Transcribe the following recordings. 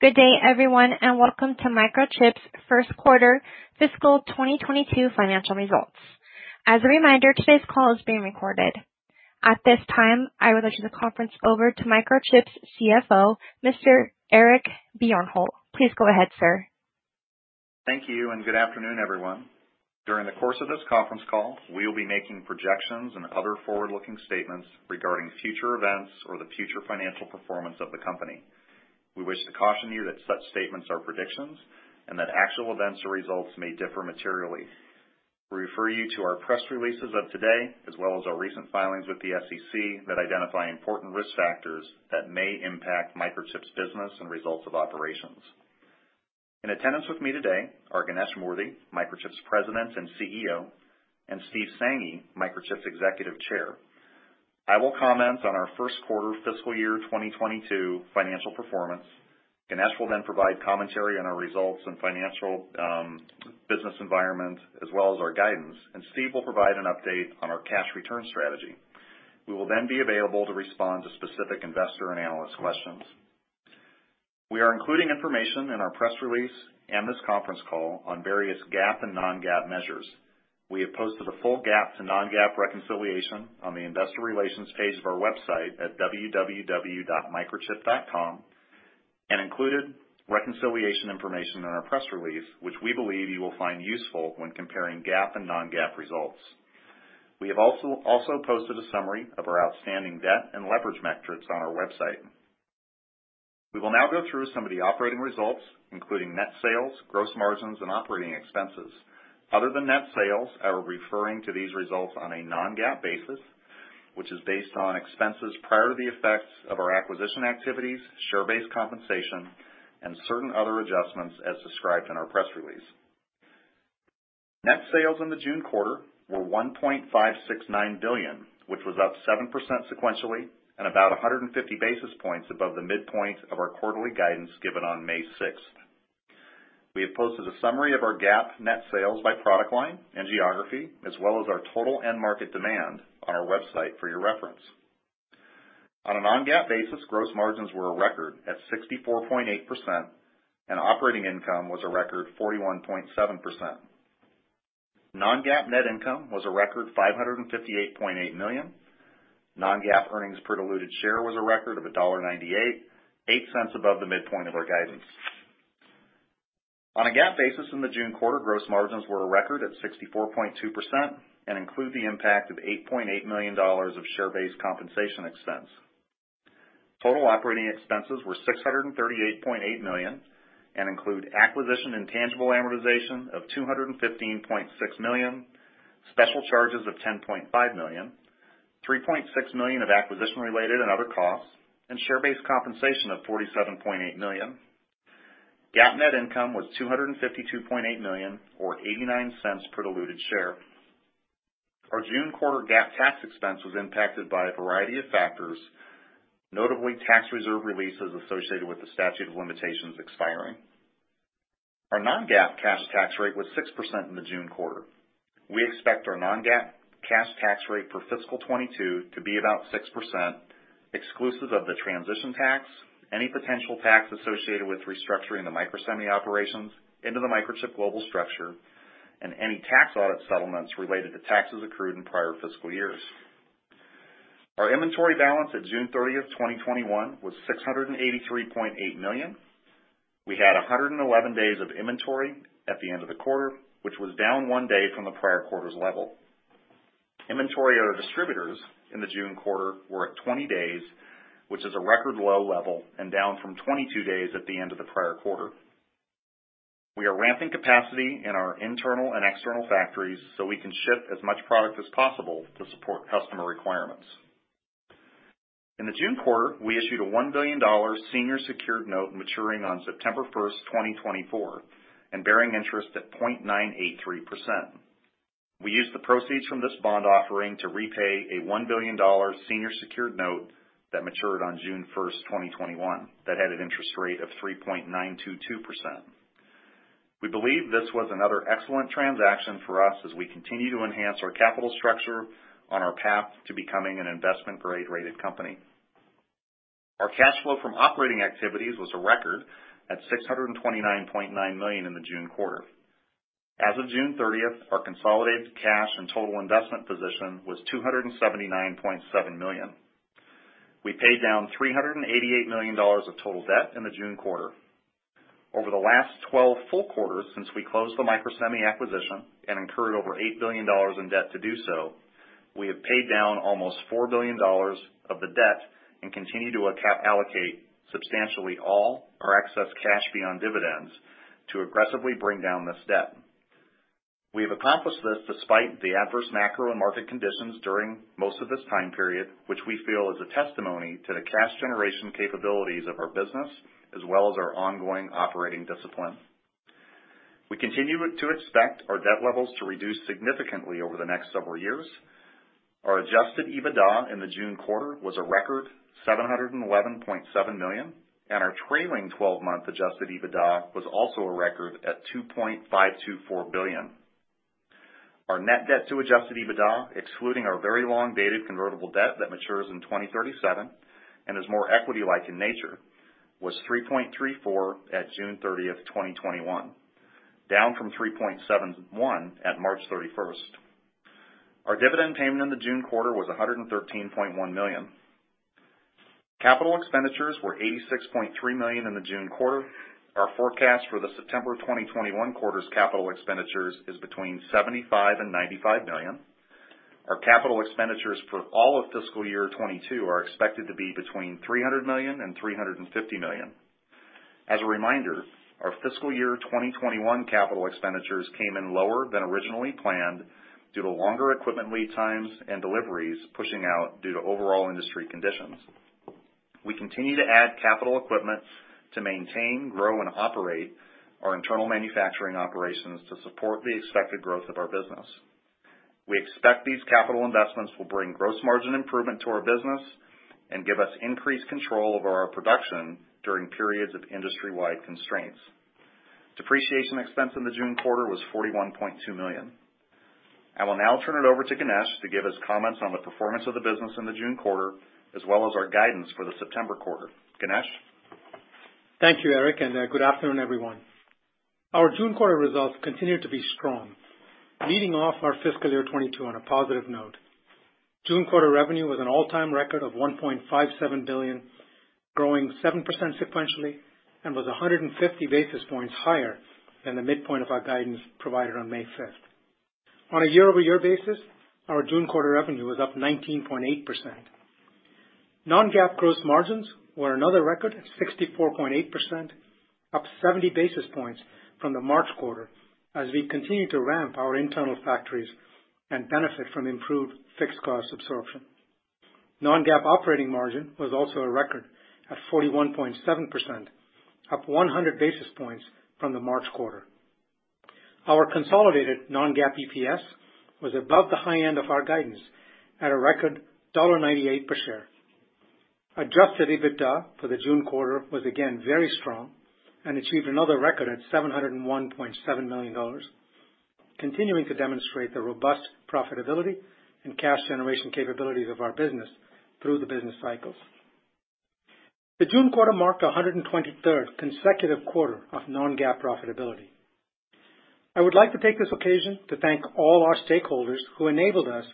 Good day, everyone, and welcome to Microchip's first quarter fiscal 2022 financial results. As a reminder, today's call is being recorded. At this time, I would like to turn the conference over to Microchip's CFO, Mr. Eric Bjornholt. Please go ahead, sir. Thank you, and good afternoon, everyone. During the course of this conference call, we will be making projections and other forward-looking statements regarding future events or the future financial performance of the company. We wish to caution you that such statements are predictions, and that actual events or results may differ materially. We refer you to our press releases of today, as well as our recent filings with the SEC that identify important risk factors that may impact Microchip's business and results of operations. In attendance with me today are Ganesh Moorthy, Microchip's President and CEO, and Steve Sanghi, Microchip's Executive Chair. I will comment on our first quarter fiscal year 2022 financial performance. Ganesh will then provide commentary on our results and financial business environment, as well as our guidance, and Steve will provide an update on our cash return strategy. We will then be available to respond to specific investor and analyst questions. We are including information in our press release and this conference call on various GAAP and non-GAAP measures. We have posted a full GAAP to non-GAAP reconciliation on the investor relations page of our website at www.microchip.com, and included reconciliation information in our press release, which we believe you will find useful when comparing GAAP and non-GAAP results. We have also posted a summary of our outstanding debt and leverage metrics on our website. We will now go through some of the operating results, including net sales, gross margins, and operating expenses. Other than net sales, are referring to these results on a non-GAAP basis, which is based on expenses prior to the effects of our acquisition activities, share-based compensation and certain other adjustments as described in our press release. Net sales in the June quarter were $1.569 billion, which was up 7% sequentially and about 150 basis points above the midpoint of our quarterly guidance given on May 6th. We have posted a summary of our GAAP net sales by product line and geography, as well as our total end market demand on our website for your reference. On a non-GAAP basis, gross margins were a record at 64.8%, and operating income was a record 41.7%. Non-GAAP net income was a record $558.8 million. Non-GAAP earnings per diluted share was a record of $1.98, $0.08 above the midpoint of our guidance. On a GAAP basis in the June quarter, gross margins were a record at 64.2% and include the impact of $8.8 million of share-based compensation expense. Total operating expenses were $638.8 million, include acquisition intangible amortization of $215.6 million, special charges of $10.5 million, $3.6 million of acquisition-related and other costs, and share-based compensation of $47.8 million. GAAP net income was $252.8 million, or $0.89 per diluted share. Our June quarter GAAP tax expense was impacted by a variety of factors, notably tax reserve releases associated with the statute of limitations expiring. Our non-GAAP cash tax rate was 6% in the June quarter. We expect our non-GAAP cash tax rate for fiscal 2022 to be about 6%, exclusive of the transition tax, any potential tax associated with restructuring the Microsemi operations into the Microchip global structure, and any tax audit settlements related to taxes accrued in prior fiscal years. Our inventory balance at June 30th, 2021, was $683.8 million. We had 111 days of inventory at the end of the quarter, which was down one day from the prior quarter's level. Inventory at our distributors in the June quarter were at 20 days, which is a record low level and down from 22 days at the end of the prior quarter. We are ramping capacity in our internal and external factories so we can ship as much product as possible to support customer requirements. In the June quarter, we issued a $1 billion senior secured note maturing on September 1st, 2024, and bearing interest at 0.983%. We used the proceeds from this bond offering to repay a $1 billion senior secured note that matured on June 1st, 2021, that had an interest rate of 3.922%. We believe this was another excellent transaction for us as we continue to enhance our capital structure on our path to becoming an investment-grade rated company. Our cash flow from operating activities was a record at $629.9 million in the June quarter. As of June 30th, our consolidated cash and total investment position was $279.7 million. We paid down $388 million of total debt in the June quarter. Over the last 12 full quarters since we closed the Microsemi acquisition and incurred over $8 billion in debt to do so, we have paid down almost $4 billion of the debt and continue to allocate substantially all our excess cash beyond dividends to aggressively bring down this debt. We have accomplished this despite the adverse macro and market conditions during most of this time period, which we feel is a testimony to the cash generation capabilities of our business, as well as our ongoing operating discipline. We continue to expect our debt levels to reduce significantly over the next several years. Our adjusted EBITDA in the June quarter was a record $711.7 million, and our trailing 12-month adjusted EBITDA was also a record at $2.524 billion. Our net debt to adjusted EBITDA, excluding our very long-dated convertible debt that matures in 2037 and is more equity-like in nature, was 3.34 at June 30th, 2021, down from 3.71 at March 31st. Our dividend payment in the June quarter was $113.1 million. Capital expenditures were $86.3 million in the June quarter. Our forecast for the September 2021 quarter's capital expenditures is between $75 million and $95 million. Our capital expenditures for all of fiscal year 2022 are expected to be between $300 million and $350 million. As a reminder, our fiscal year 2021 capital expenditures came in lower than originally planned due to longer equipment lead times and deliveries pushing out due to overall industry conditions. We continue to add capital equipment to maintain, grow, and operate our internal manufacturing operations to support the expected growth of our business. We expect these capital investments will bring gross margin improvement to our business and give us increased control over our production during periods of industry-wide constraints. Depreciation expense in the June quarter was $41.2 million. I will now turn it over to Ganesh to give his comments on the performance of the business in the June quarter, as well as our guidance for the September quarter. Ganesh? Thank you, Eric, and good afternoon, everyone. Our June quarter results continued to be strong, leading off our fiscal year 2022 on a positive note. June quarter revenue was an all-time record of $1.57 billion, growing 7% sequentially and was 150 basis points higher than the midpoint of our guidance provided on May 5th. On a year-over-year basis, our June quarter revenue was up 19.8%. non-GAAP gross margins were another record at 64.8%, up 70 basis points from the March quarter, as we continue to ramp our internal factories and benefit from improved fixed cost absorption. non-GAAP operating margin was also a record at 41.7%, up 100 basis points from the March quarter. Our consolidated non-GAAP EPS was above the high end of our guidance at a record $1.98 per share. Adjusted EBITDA for the June quarter was again very strong and achieved another record at $701.7 million, continuing to demonstrate the robust profitability and cash generation capabilities of our business through the business cycles. The June quarter marked 123rd consecutive quarter of non-GAAP profitability. I would like to take this occasion to thank all our stakeholders who enabled us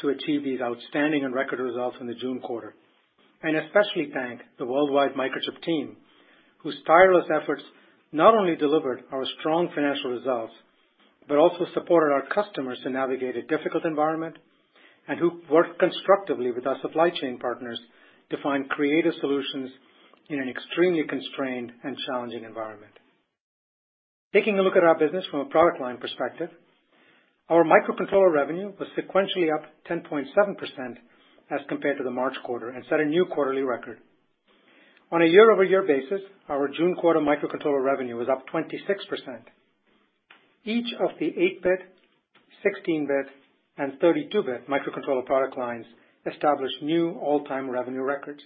to achieve these outstanding and record results in the June quarter, and especially thank the worldwide Microchip team, whose tireless efforts not only delivered our strong financial results, but also supported our customers to navigate a difficult environment and who worked constructively with our supply chain partners to find creative solutions in an extremely constrained and challenging environment. Taking a look at our business from a product line perspective, our microcontroller revenue was sequentially up 10.7% as compared to the March quarter and set a new quarterly record. On a year-over-year basis, our June quarter microcontroller revenue was up 26%. Each of the 8-bit, 16-bit, and 32-bit microcontroller product lines established new all-time revenue records.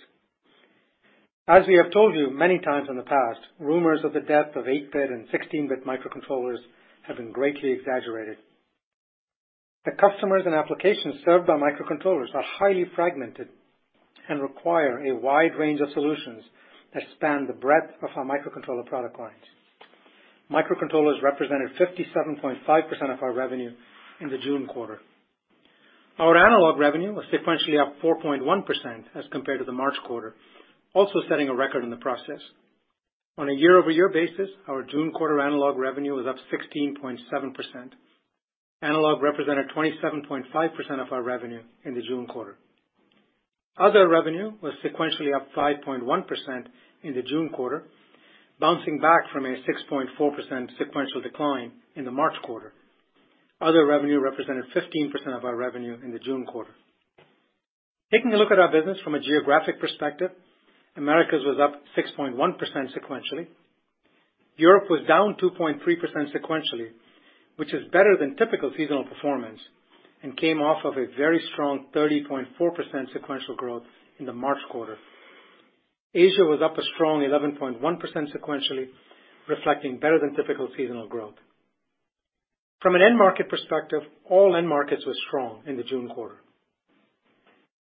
As we have told you many times in the past, rumors of the death of 8-bit and 16-bit microcontrollers have been greatly exaggerated. The customers and applications served by microcontrollers are highly fragmented and require a wide range of solutions that span the breadth of our microcontroller product lines. Microcontrollers represented 57.5% of our revenue in the June quarter. Our analog revenue was sequentially up 4.1% as compared to the March quarter, also setting a record in the process. On a year-over-year basis, our June quarter analog revenue was up 16.7%. Analog represented 27.5% of our revenue in the June quarter. Other revenue was sequentially up 5.1% in the June quarter, bouncing back from a 6.4% sequential decline in the March quarter. Other revenue represented 15% of our revenue in the June quarter. Taking a look at our business from a geographic perspective, Americas was up 6.1% sequentially. Europe was down 2.3% sequentially, which is better than typical seasonal performance and came off of a very strong 30.4% sequential growth in the March quarter. Asia was up a strong 11.1% sequentially, reflecting better than typical seasonal growth. From an end market perspective, all end markets were strong in the June quarter.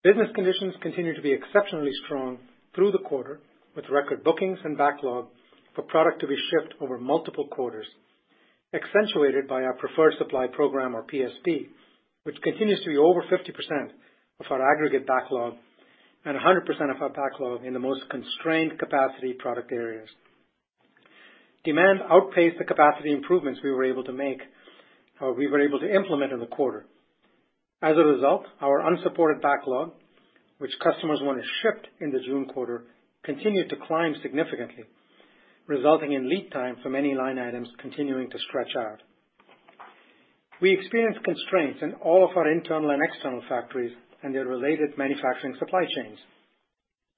Business conditions continued to be exceptionally strong through the quarter, with record bookings and backlog for product to be shipped over multiple quarters, accentuated by our Preferred Supply Program, or PSP, which continues to be over 50% of our aggregate backlog and 100% of our backlog in the most constrained capacity product areas. Demand outpaced the capacity improvements we were able to implement in the quarter. As a result, our unsupported backlog, which customers want to ship in the June quarter, continued to climb significantly, resulting in lead time for many line items continuing to stretch out. We experienced constraints in all of our internal and external factories and their related manufacturing supply chains.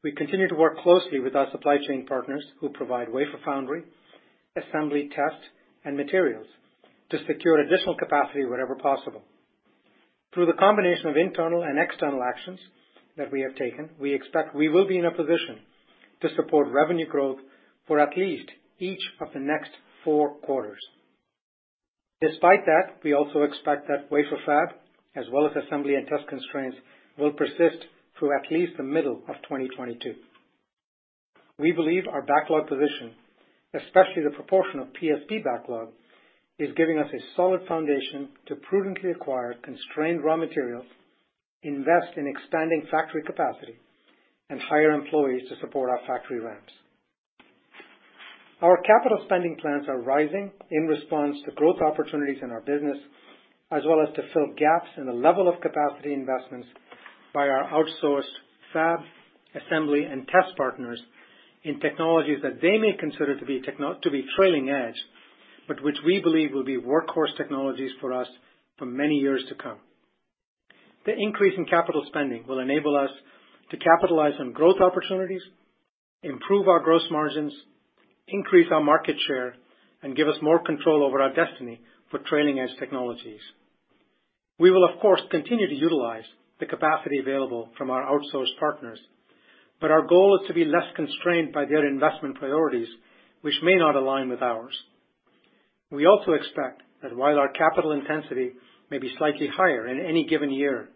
We continue to work closely with our supply chain partners who provide wafer foundry, assembly, test, and materials to secure additional capacity wherever possible. Through the combination of internal and external actions that we have taken, we expect we will be in a position to support revenue growth for at least each of the next four quarters. Despite that, we also expect that wafer fab, as well as assembly and test constraints, will persist through at least the middle of 2022. We believe our backlog position, especially the proportion of PSP backlog, is giving us a solid foundation to prudently acquire constrained raw materials, invest in expanding factory capacity, and hire employees to support our factory ramps. Our capital spending plans are rising in response to growth opportunities in our business, as well as to fill gaps in the level of capacity investments by our outsourced fab, assembly, and test partners in technologies that they may consider to be trailing edge, but which we believe will be workhorse technologies for us for many years to come. The increase in capital spending will enable us to capitalize on growth opportunities, improve our gross margins, increase our market share, and give us more control over our destiny for trailing edge technologies. We will, of course, continue to utilize the capacity available from our outsourced partners, but our goal is to be less constrained by their investment priorities, which may not align with ours. We also expect that while our capital intensity may be slightly higher in any given year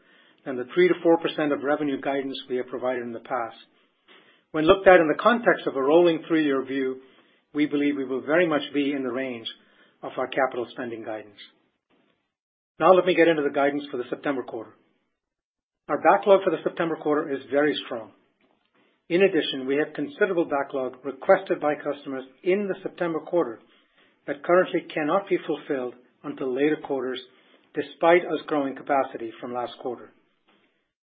than the 3%-4% of revenue guidance we have provided in the past, when looked at in the context of a rolling three-year view, we believe we will very much be in the range of our capital spending guidance. Now let me get into the guidance for the September quarter. Our backlog for the September quarter is very strong. In addition, we have considerable backlog requested by customers in the September quarter that currently cannot be fulfilled until later quarters, despite us growing capacity from last quarter.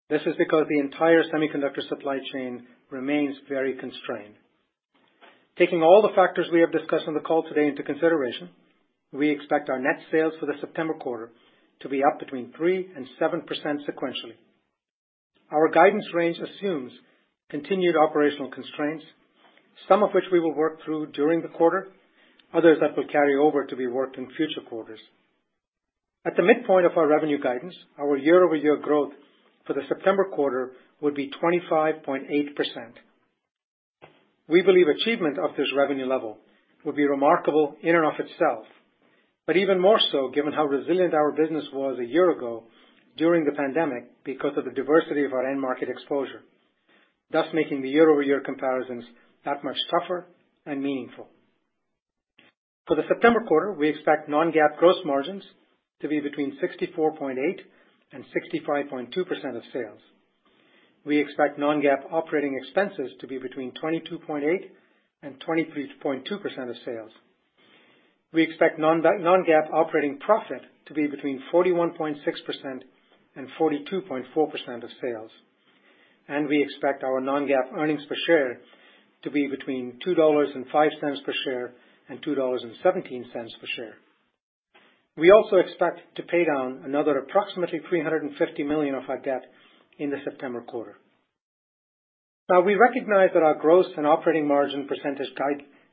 This is because the entire semiconductor supply chain remains very constrained. Taking all the factors we have discussed on the call today into consideration, we expect our net sales for the September quarter to be up between 3% and 7% sequentially. Our guidance range assumes continued operational constraints, some of which we will work through during the quarter, others that will carry over to be worked in future quarters. At the midpoint of our revenue guidance, our year-over-year growth for the September quarter would be 25.8%. We believe achievement of this revenue level would be remarkable in and of itself, but even more so given how resilient our business was a year ago during the pandemic because of the diversity of our end market exposure, thus making the year-over-year comparisons that much tougher and meaningful. For the September quarter, we expect non-GAAP gross margins to be between 64.8% and 65.2% of sales. We expect non-GAAP operating expenses to be between 22.8% and 23.2% of sales. We expect non-GAAP operating profit to be between 41.6% and 42.4% of sales. We expect our non-GAAP earnings per share to be between $2.05 per share and $2.17 per share. We also expect to pay down another approximately $350 million of our debt in the September quarter. Now, we recognize that our gross and operating margin percentage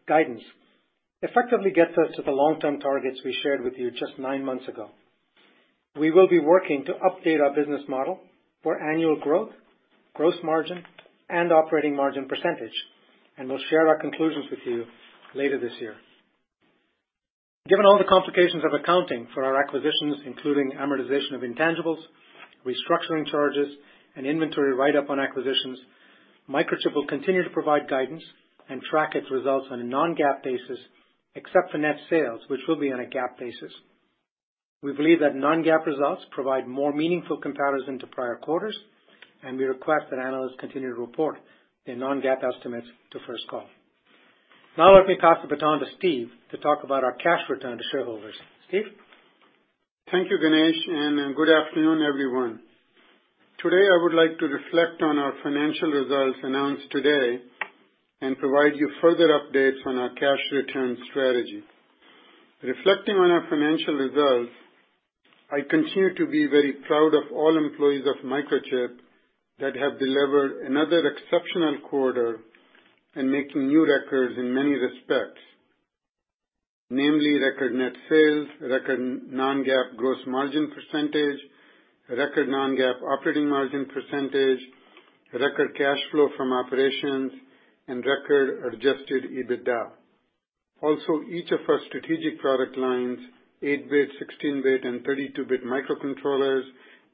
guidance effectively gets us to the long-term targets we shared with you just nine months ago. We will be working to update our business model for annual growth, gross margin, and operating margin percentage, and we'll share our conclusions with you later this year. Given all the complications of accounting for our acquisitions, including amortization of intangibles, restructuring charges, and inventory write-up on acquisitions, Microchip will continue to provide guidance and track its results on a non-GAAP basis, except for net sales, which will be on a GAAP basis. We believe that non-GAAP results provide more meaningful comparison to prior quarters, we request that analysts continue to report their non-GAAP estimates to First Call. Let me pass the baton to Steve to talk about our cash return to shareholders. Steve? Thank you, Ganesh, and good afternoon, everyone. Today, I would like to reflect on our financial results announced today and provide you further updates on our cash return strategy. Reflecting on our financial results, I continue to be very proud of all employees of Microchip that have delivered another exceptional quarter and making new records in many respects, namely record net sales, record non-GAAP gross margin percentage, record non-GAAP operating margin percentage, record cash flow from operations, and record adjusted EBITDA. Also, each of our strategic product lines, 8-bit, 16-bit, and 32-bit microcontrollers,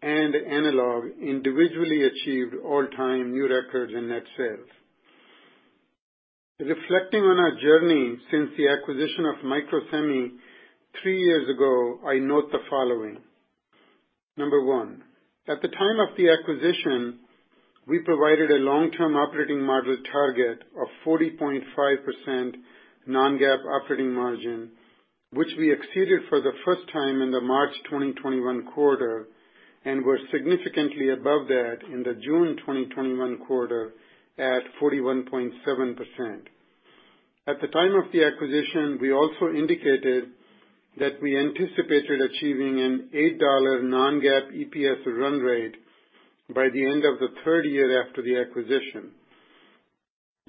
and analog individually achieved all-time new records in net sales. Reflecting on our journey since the acquisition of Microsemi three years ago, I note the following. Number one, at the time of the acquisition, we provided a long-term operating margin target of 40.5% non-GAAP operating margin, which we exceeded for the first time in the March 2021 quarter and were significantly above that in the June 2021 quarter at 41.7%. At the time of the acquisition, we also indicated that we anticipated achieving an $8 non-GAAP EPS run rate by the end of the third year after the acquisition.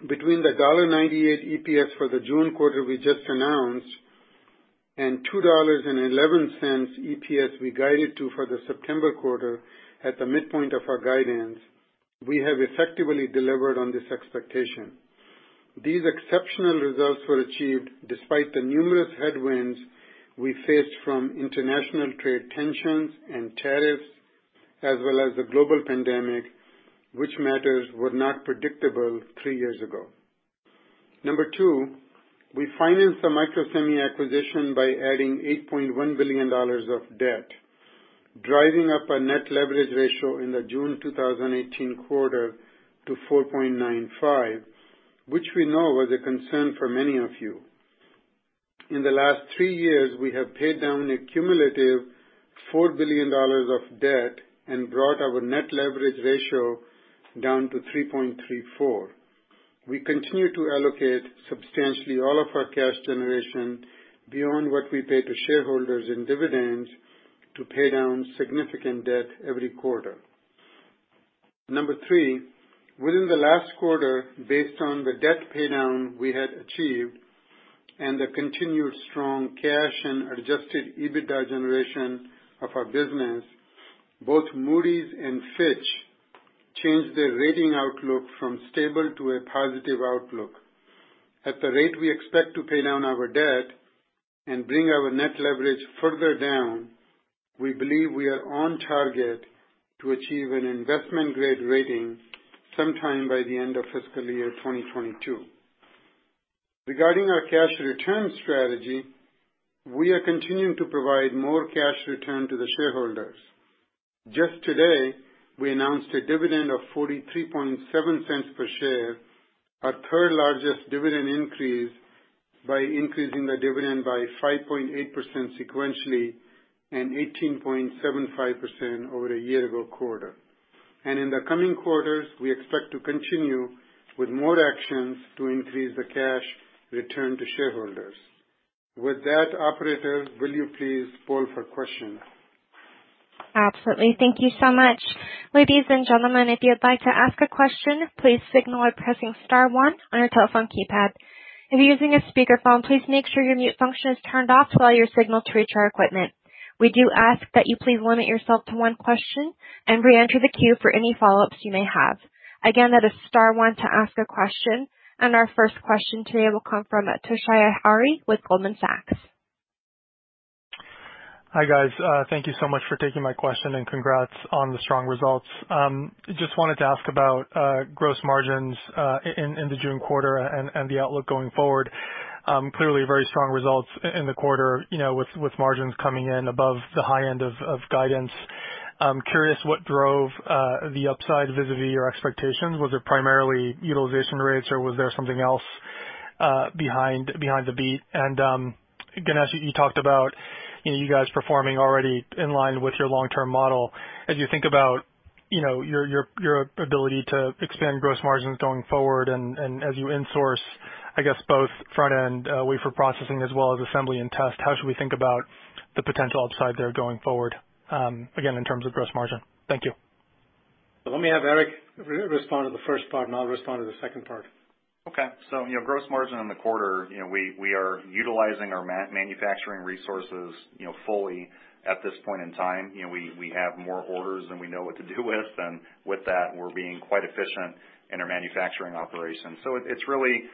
Between the $1.98 EPS for the June quarter we just announced and $2.11 EPS we guided to for the September quarter at the midpoint of our guidance, we have effectively delivered on this expectation. These exceptional results were achieved despite the numerous headwinds we faced from international trade tensions and tariffs, as well as the global pandemic, which matters were not predictable three years ago. Number two, we financed the Microsemi acquisition by adding $8.1 billion of debt, driving up our net leverage ratio in the June 2018 quarter to 4.95, which we know was a concern for many of you. In the last three years, we have paid down a cumulative $4 billion of debt and brought our net leverage ratio down to 3.34. We continue to allocate substantially all of our cash generation beyond what we pay to shareholders in dividends to pay down significant debt every quarter. Number three, within the last quarter, based on the debt paydown we had achieved and the continued strong cash and adjusted EBITDA generation of our business, both Moody's and Fitch changed their rating outlook from stable to a positive outlook. At the rate we expect to pay down our debt and bring our net leverage further down, we believe we are on target to achieve an investment-grade rating sometime by the end of fiscal year 2022. Regarding our cash return strategy, we are continuing to provide more cash return to the shareholders. Just today, we announced a dividend of $0.437 per share, our third largest dividend increase, by increasing the dividend by 5.8% sequentially and 18.75% over a year ago quarter. In the coming quarters, we expect to continue with more actions to increase the cash return to shareholders. With that, operator, will you please poll for questions? Absolutely. Thank you so much. Ladies and gentlemen, if you'd like to ask a question, please signal by pressing star one on your telephone keypad. If you're using a speakerphone, please make sure your mute function is turned off while you're signaled to reach our equipment. We do ask that you please limit yourself to one question and re-enter the queue for any follow-ups you may have. Again, that is star one to ask a question, and our first question today will come from Toshiya Hari with Goldman Sachs. Hi, guys. Thank you so much for taking my question and congrats on the strong results. Just wanted to ask about gross margins in the June quarter and the outlook going forward. Clearly very strong results in the quarter, with margins coming in above the high end of guidance. I'm curious what drove the upside vis-à-vis your expectations. Was it primarily utilization rates or was there something else behind the beat? Ganesh, you talked about you guys performing already in line with your long-term model. As you think about your ability to expand gross margins going forward and as you insource, I guess, both front-end wafer processing as well as assembly and test, how should we think about the potential upside there going forward, again, in terms of gross margin? Thank you. Let me have Eric respond to the first part and I'll respond to the second part. Okay. Gross margin in the quarter, we are utilizing our manufacturing resources fully at this point in time. We have more orders than we know what to do with, and with that, we're being quite efficient in our manufacturing operations. It's really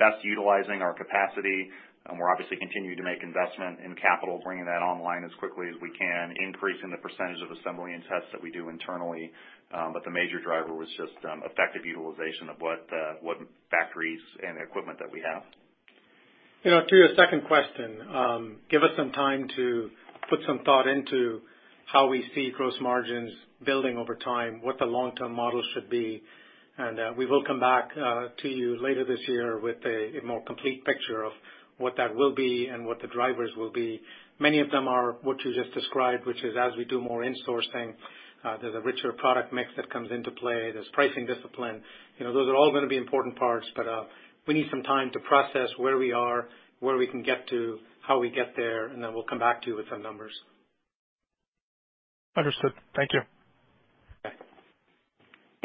best utilizing our capacity. We're obviously continuing to make investment in capital, bringing that online as quickly as we can, increasing the percentage of assembly and tests that we do internally. The major driver was just effective utilization of what factories and equipment that we have. To your second question, give us some time to put some thought into how we see gross margins building over time, what the long-term model should be, and we will come back to you later this year with a more complete picture of what that will be and what the drivers will be. Many of them are what you just described, which is as we do more insourcing, there's a richer product mix that comes into play. There's pricing discipline. Those are all going to be important parts, but we need some time to process where we are, where we can get to, how we get there, and then we'll come back to you with some numbers. Understood. Thank you. Okay.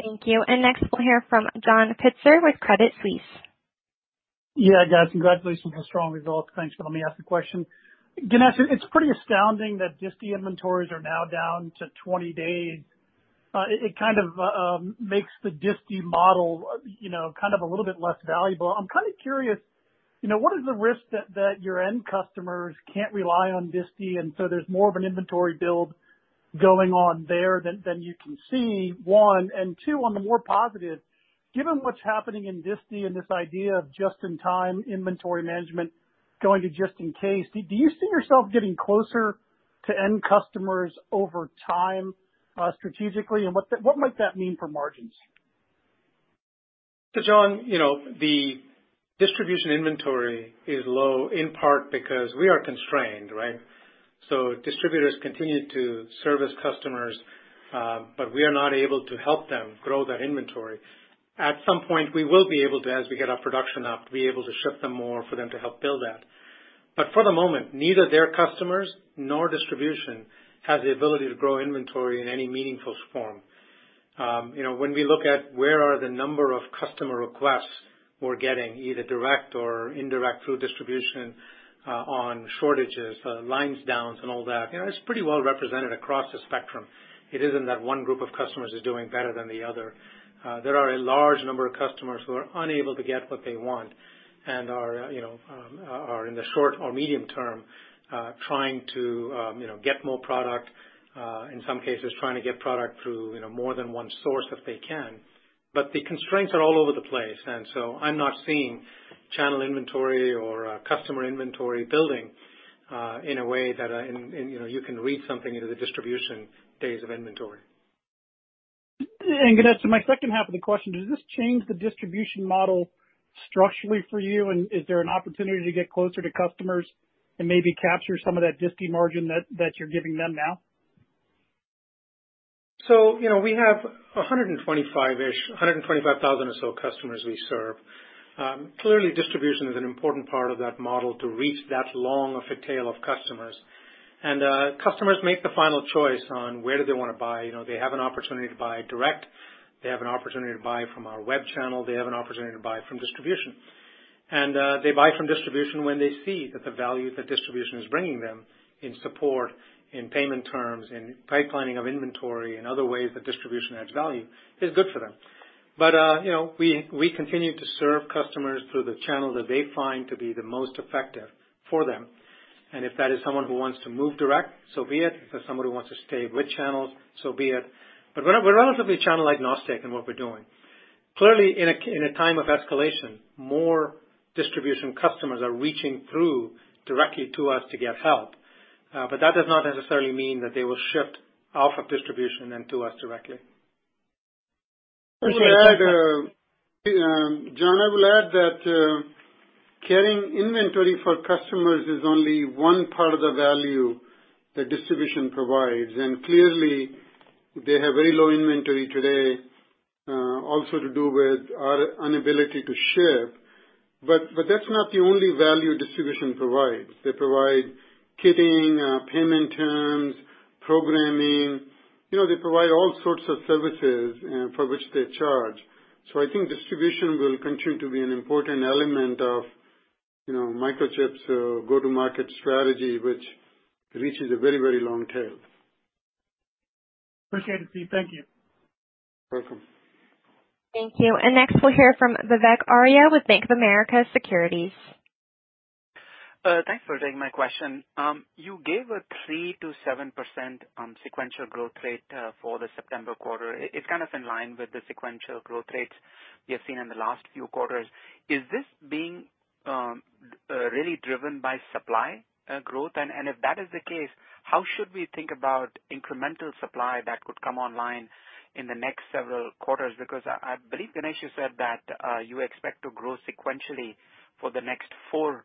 Thank you. Next we'll hear from John Pitzer with Credit Suisse. Yeah, guys. Congratulations on strong results. Thanks for let me ask the question. Ganesh, it's pretty astounding that disti inventories are now down to 20 days. It kind of makes the disti model a little bit less valuable. I'm kind of curious, what is the risk that your end customers can't rely on disti, and so there's more of an inventory build going on there than you can see, one. Two, on the more positive, given what's happening in disti and this idea of just-in-time inventory management going to just in case, do you see yourself getting closer to end customers over time strategically, and what might that mean for margins? John, the distribution inventory is low in part because we are constrained, right? Distributors continue to service customers, but we are not able to help them grow that inventory. At some point, we will be able to, as we get our production up, be able to ship them more for them to help build that. For the moment, neither their customers nor distribution has the ability to grow inventory in any meaningful form. When we look at where are the number of customer requests we're getting, either direct or indirect through distribution on shortages, line downs and all that, it's pretty well represented across the spectrum. It isn't that one group of customers is doing better than the other. There are a large number of customers who are unable to get what they want and are, in the short or medium term, trying to get more product, in some cases trying to get product through more than one source if they can. The constraints are all over the place, I'm not seeing channel inventory or customer inventory building in a way that you can read something into the distribution days of inventory. Ganesh, my second half of the question, does this change the distribution model structurally for you, and is there an opportunity to get closer to customers and maybe capture some of that distie margin that you're giving them now? We have 125,000 or so customers we serve. Clearly, distribution is an important part of that model to reach that long of a tail of customers. Customers make the final choice on where do they want to buy. They have an opportunity to buy directly, they have an opportunity to buy from our web channel, they have an opportunity to buy from distribution. They buy from distribution when they see that the value that distribution is bringing them in support, in payment terms, in pipelining of inventory, and other ways that distribution adds value, is good for them. We continue to serve customers through the channel that they find to be the most effective for them. If that is someone who wants to move direct, so be it. If that's someone who wants to stay with channels, so be it. We're relatively channel agnostic in what we're doing. Clearly, in a time of escalation, more distribution customers are reaching through directly to us to get help. That does not necessarily mean that they will shift off of distribution and to us directly. Appreciate that. John, I will add that carrying inventory for customers is only one part of the value that distribution provides, and clearly they have very low inventory today, also to do with our inability to ship. That's not the only value distribution provides. They provide kitting, payment terms, programming. They provide all sorts of services for which they charge. I think distribution will continue to be an important element of Microchip's go-to-market strategy, which reaches a very, very long tail. Appreciate it, Steve. Thank you. Welcome. Thank you. Next we'll hear from Vivek Arya with Bank of America Securities. Thanks for taking my question. You gave a 3%-7% sequential growth rate for the September quarter. It's kind of in line with the sequential growth rates we have seen in the last few quarters. Is this being really driven by supply growth? If that is the case, how should we think about incremental supply that could come online in the next several quarters? I believe, Ganesh, you said that you expect to grow sequentially for the next four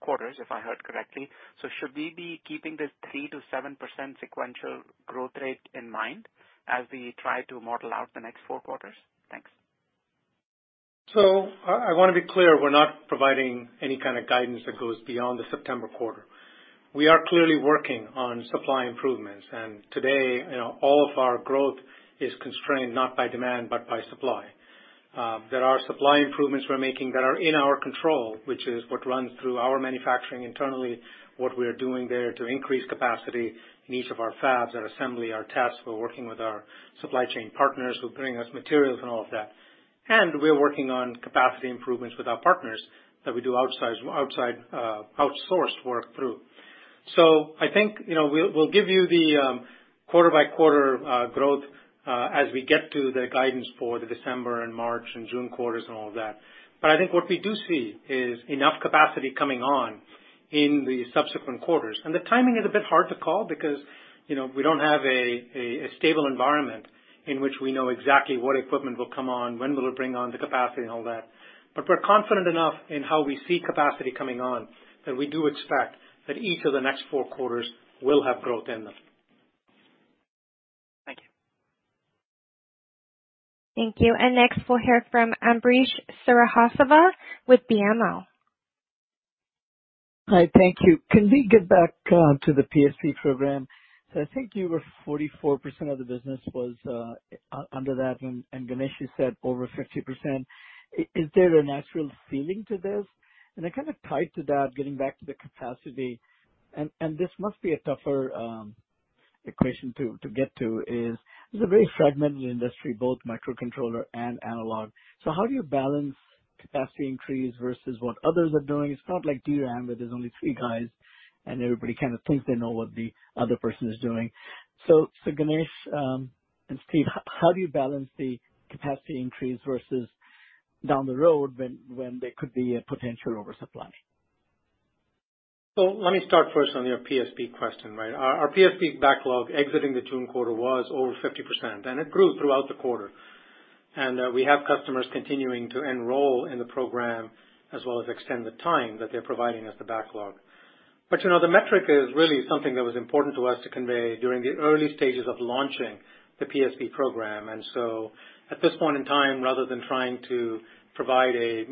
quarters, if I heard correctly. Should we be keeping this 3%-7% sequential growth rate in mind as we try to model out the next four quarters? Thanks. I want to be clear, we're not providing any kind of guidance that goes beyond the September quarter. We are clearly working on supply improvements, and today all of our growth is constrained not by demand, but by supply. There are supply improvements we're making that are in our control, which is what runs through our manufacturing internally, what we're doing there to increase capacity in each of our fabs, our assembly, our tests. We're working with our supply chain partners who are bringing us materials and all of that. We're working on capacity improvements with our partners that we do outsourced work through. I think we'll give you the quarter-by-quarter growth as we get to the guidance for the December and March and June quarters and all of that. I think what we do see is enough capacity coming on in the subsequent quarters. The timing is a bit hard to call because we don't have a stable environment in which we know exactly what equipment will come on, when will it bring on the capacity and all that. We're confident enough in how we see capacity coming on that we do expect that each of the next four quarters will have growth in them. Thank you. Thank you. Next we'll hear from Ambrish Srivastava with BMO. Hi. Thank you. Can we get back to the PSP program? I think you were 44% of the business was under that, and Ganesh, you said over 50%. Is there a natural ceiling to this? Kind of tied to that, getting back to the capacity, and this must be a tougher equation to get to, this is a very fragmented industry, both microcontroller and analog. How do you balance capacity increase versus what others are doing? It's not like DRAM, where there's only three guys, and everybody kind of thinks they know what the other person is doing. Ganesh and Steve, how do you balance the capacity increase versus down the road when there could be a potential oversupply? Let me start first on your PSP question. Our PSP backlog exiting the June quarter was over 50%, and it grew throughout the quarter. We have customers continuing to enroll in the program, as well as extend the time that they're providing us the backlog. The metric is really something that was important to us to convey during the early stages of launching the PSP program. At this point in time, rather than trying to provide a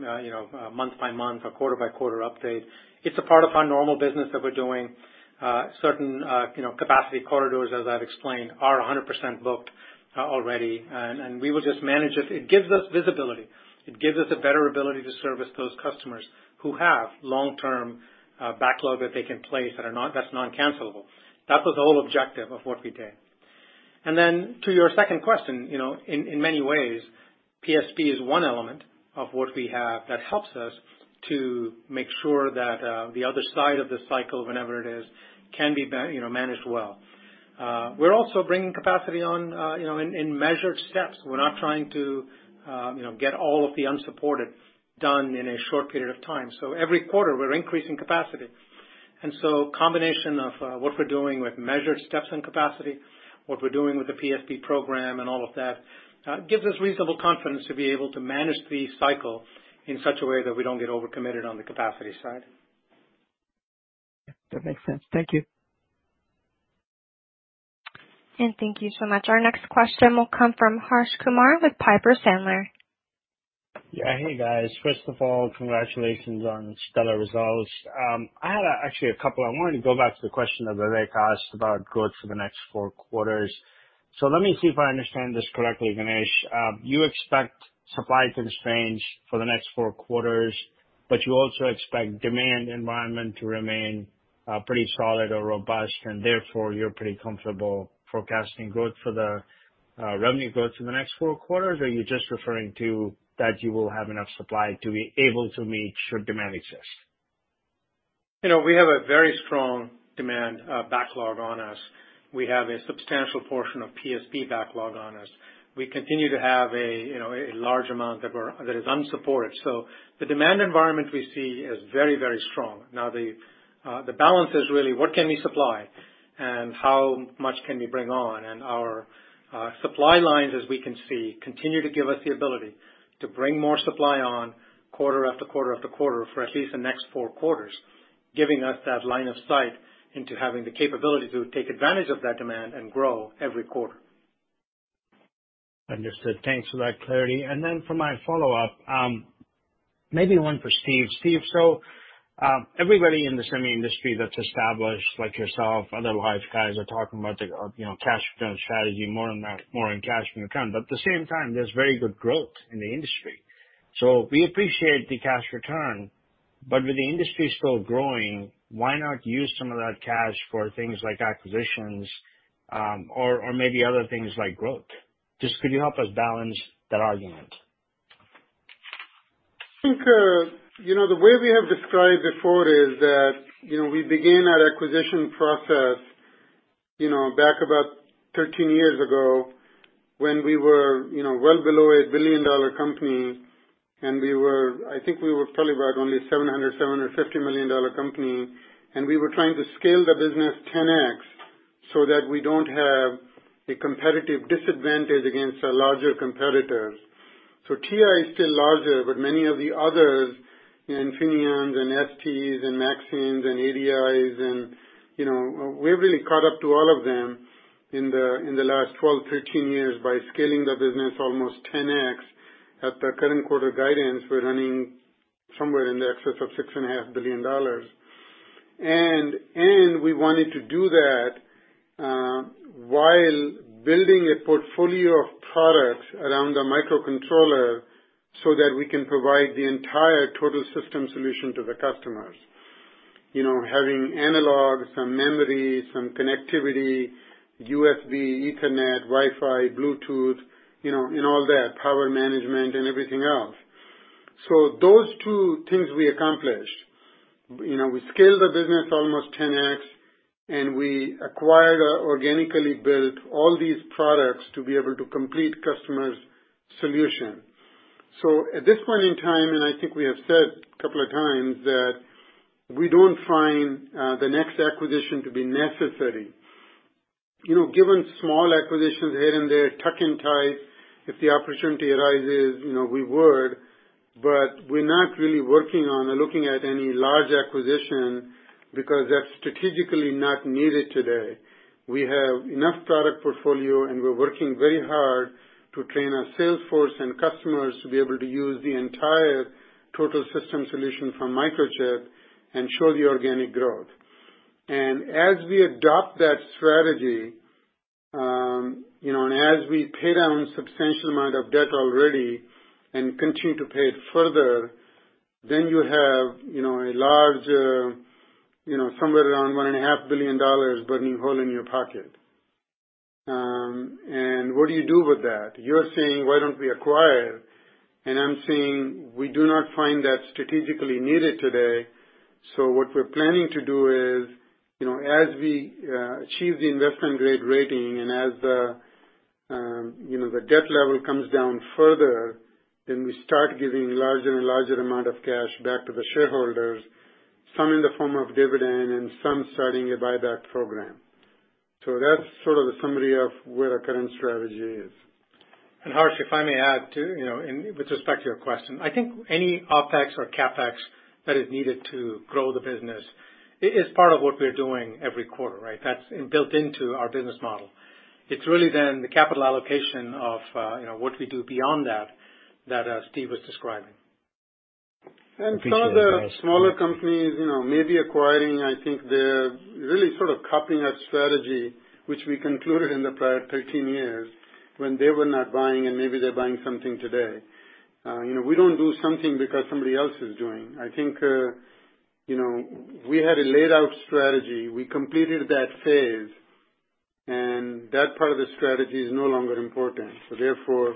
month-by-month or quarter-by-quarter update, it's a part of our normal business that we're doing. Certain capacity corridors, as I've explained, are 100% booked already, and we will just manage it. It gives us visibility. It gives us a better ability to service those customers who have long-term backlog that they can place that's non-cancelable. That was the whole objective of what we did. Then to your second question, in many ways, PSP is one element of what we have that helps us to make sure that the other side of the cycle, whenever it is, can be managed well. We're also bringing capacity on in measured steps. We're not trying to get all of the unsupported done in a short period of time. Every quarter, we're increasing capacity. Combination of what we're doing with measured steps in capacity, what we're doing with the PSP program and all of that, gives us reasonable confidence to be able to manage the cycle in such a way that we don't get over-committed on the capacity side. That makes sense. Thank you. Thank you so much. Our next question will come from Harsh Kumar with Piper Sandler. Yeah. Hey, guys. First of all, congratulations on stellar results. I had actually a couple. I wanted to go back to the question that Vivek asked about growth for the next four quarters. Let me see if I understand this correctly, Ganesh. You expect supply constraints for the next four quarters, but you also expect demand environment to remain pretty solid or robust, and therefore you're pretty comfortable forecasting revenue growth for the next four quarters? Or you're just referring to that you will have enough supply to be able to meet should demand exist? We have a very strong demand backlog on us. We have a substantial portion of PSP backlog on us. We continue to have a large amount that is unsupported. The demand environment we see is very strong. Now the balance is really what can we supply and how much can we bring on? Our supply lines, as we can see, continue to give us the ability to bring more supply on quarter after quarter after quarter for at least the next four quarters, giving us that line of sight into having the capability to take advantage of that demand and grow every quarter. Understood. Thanks for that clarity. For my follow-up, maybe one for Steve. Steve, everybody in the semi industry that's established, like yourself, other large guys are talking about the cash return strategy, more on cash from return. At the same time, there's very good growth in the industry. We appreciate the cash return, but with the industry still growing, why not use some of that cash for things like acquisitions, or maybe other things like growth? Just could you help us balance that argument? I think, the way we have described it forward is that, we began our acquisition process back about 13 years ago when we were well below a billion-dollar company, and I think we were probably about only $700 million-$750 million company, and we were trying to scale the business 10X so that we don't have a competitive disadvantage against our larger competitors. TI is still larger, but many of the others, Infineons and STs and Maxims and ADIs and, we've really caught up to all of them in the last 12, 13 years by scaling the business almost 10X. At the current quarter guidance, we're running somewhere in the excess of $6.5 billion. We wanted to do that, while building a portfolio of products around the microcontroller so that we can provide the entire total system solution to the customers. Having analog, some memory, some connectivity, USB, Ethernet, Wi-Fi, Bluetooth, and all that, power management and everything else. Those two things we accomplished. We scaled the business almost 10x, and we acquired or organically built all these products to be able to complete customers' solution. At this point in time, and I think we have said a couple of times that we don't find the next acquisition to be necessary. Given small acquisitions here and there, tuck-in, if the opportunity arises, we would, but we're not really working on or looking at any large acquisition because that's strategically not needed today. We have enough product portfolio, and we're working very hard to train our sales force and customers to be able to use the entire total system solution from Microchip and show the organic growth. As we adopt that strategy, as we pay down a substantial amount of debt already and continue to pay it further, you have a large, somewhere around $1.5 billion burning hole in your pocket. What do you do with that? You're saying, why don't we acquire? I'm saying, we do not find that strategically needed today. What we're planning to do is, as we achieve the investment-grade rating, as the debt level comes down further, we start giving larger and larger amount of cash back to the shareholders, some in the form of dividend and some starting a buyback program. That's sort of the summary of where our current strategy is. Harsh, if I may add too, with respect to your question, I think any OpEx or CapEx that is needed to grow the business is part of what we are doing every quarter, right? That's built into our business model. It's really the capital allocation of what we do beyond that Steve was describing. Some of the smaller companies, maybe acquiring, I think they're really sort of copying our strategy, which we concluded in the prior 13 years when they were not buying and maybe they're buying something today. We don't do something because somebody else is doing. I think, we had a laid-out strategy. We completed that phase, and that part of the strategy is no longer important, so therefore,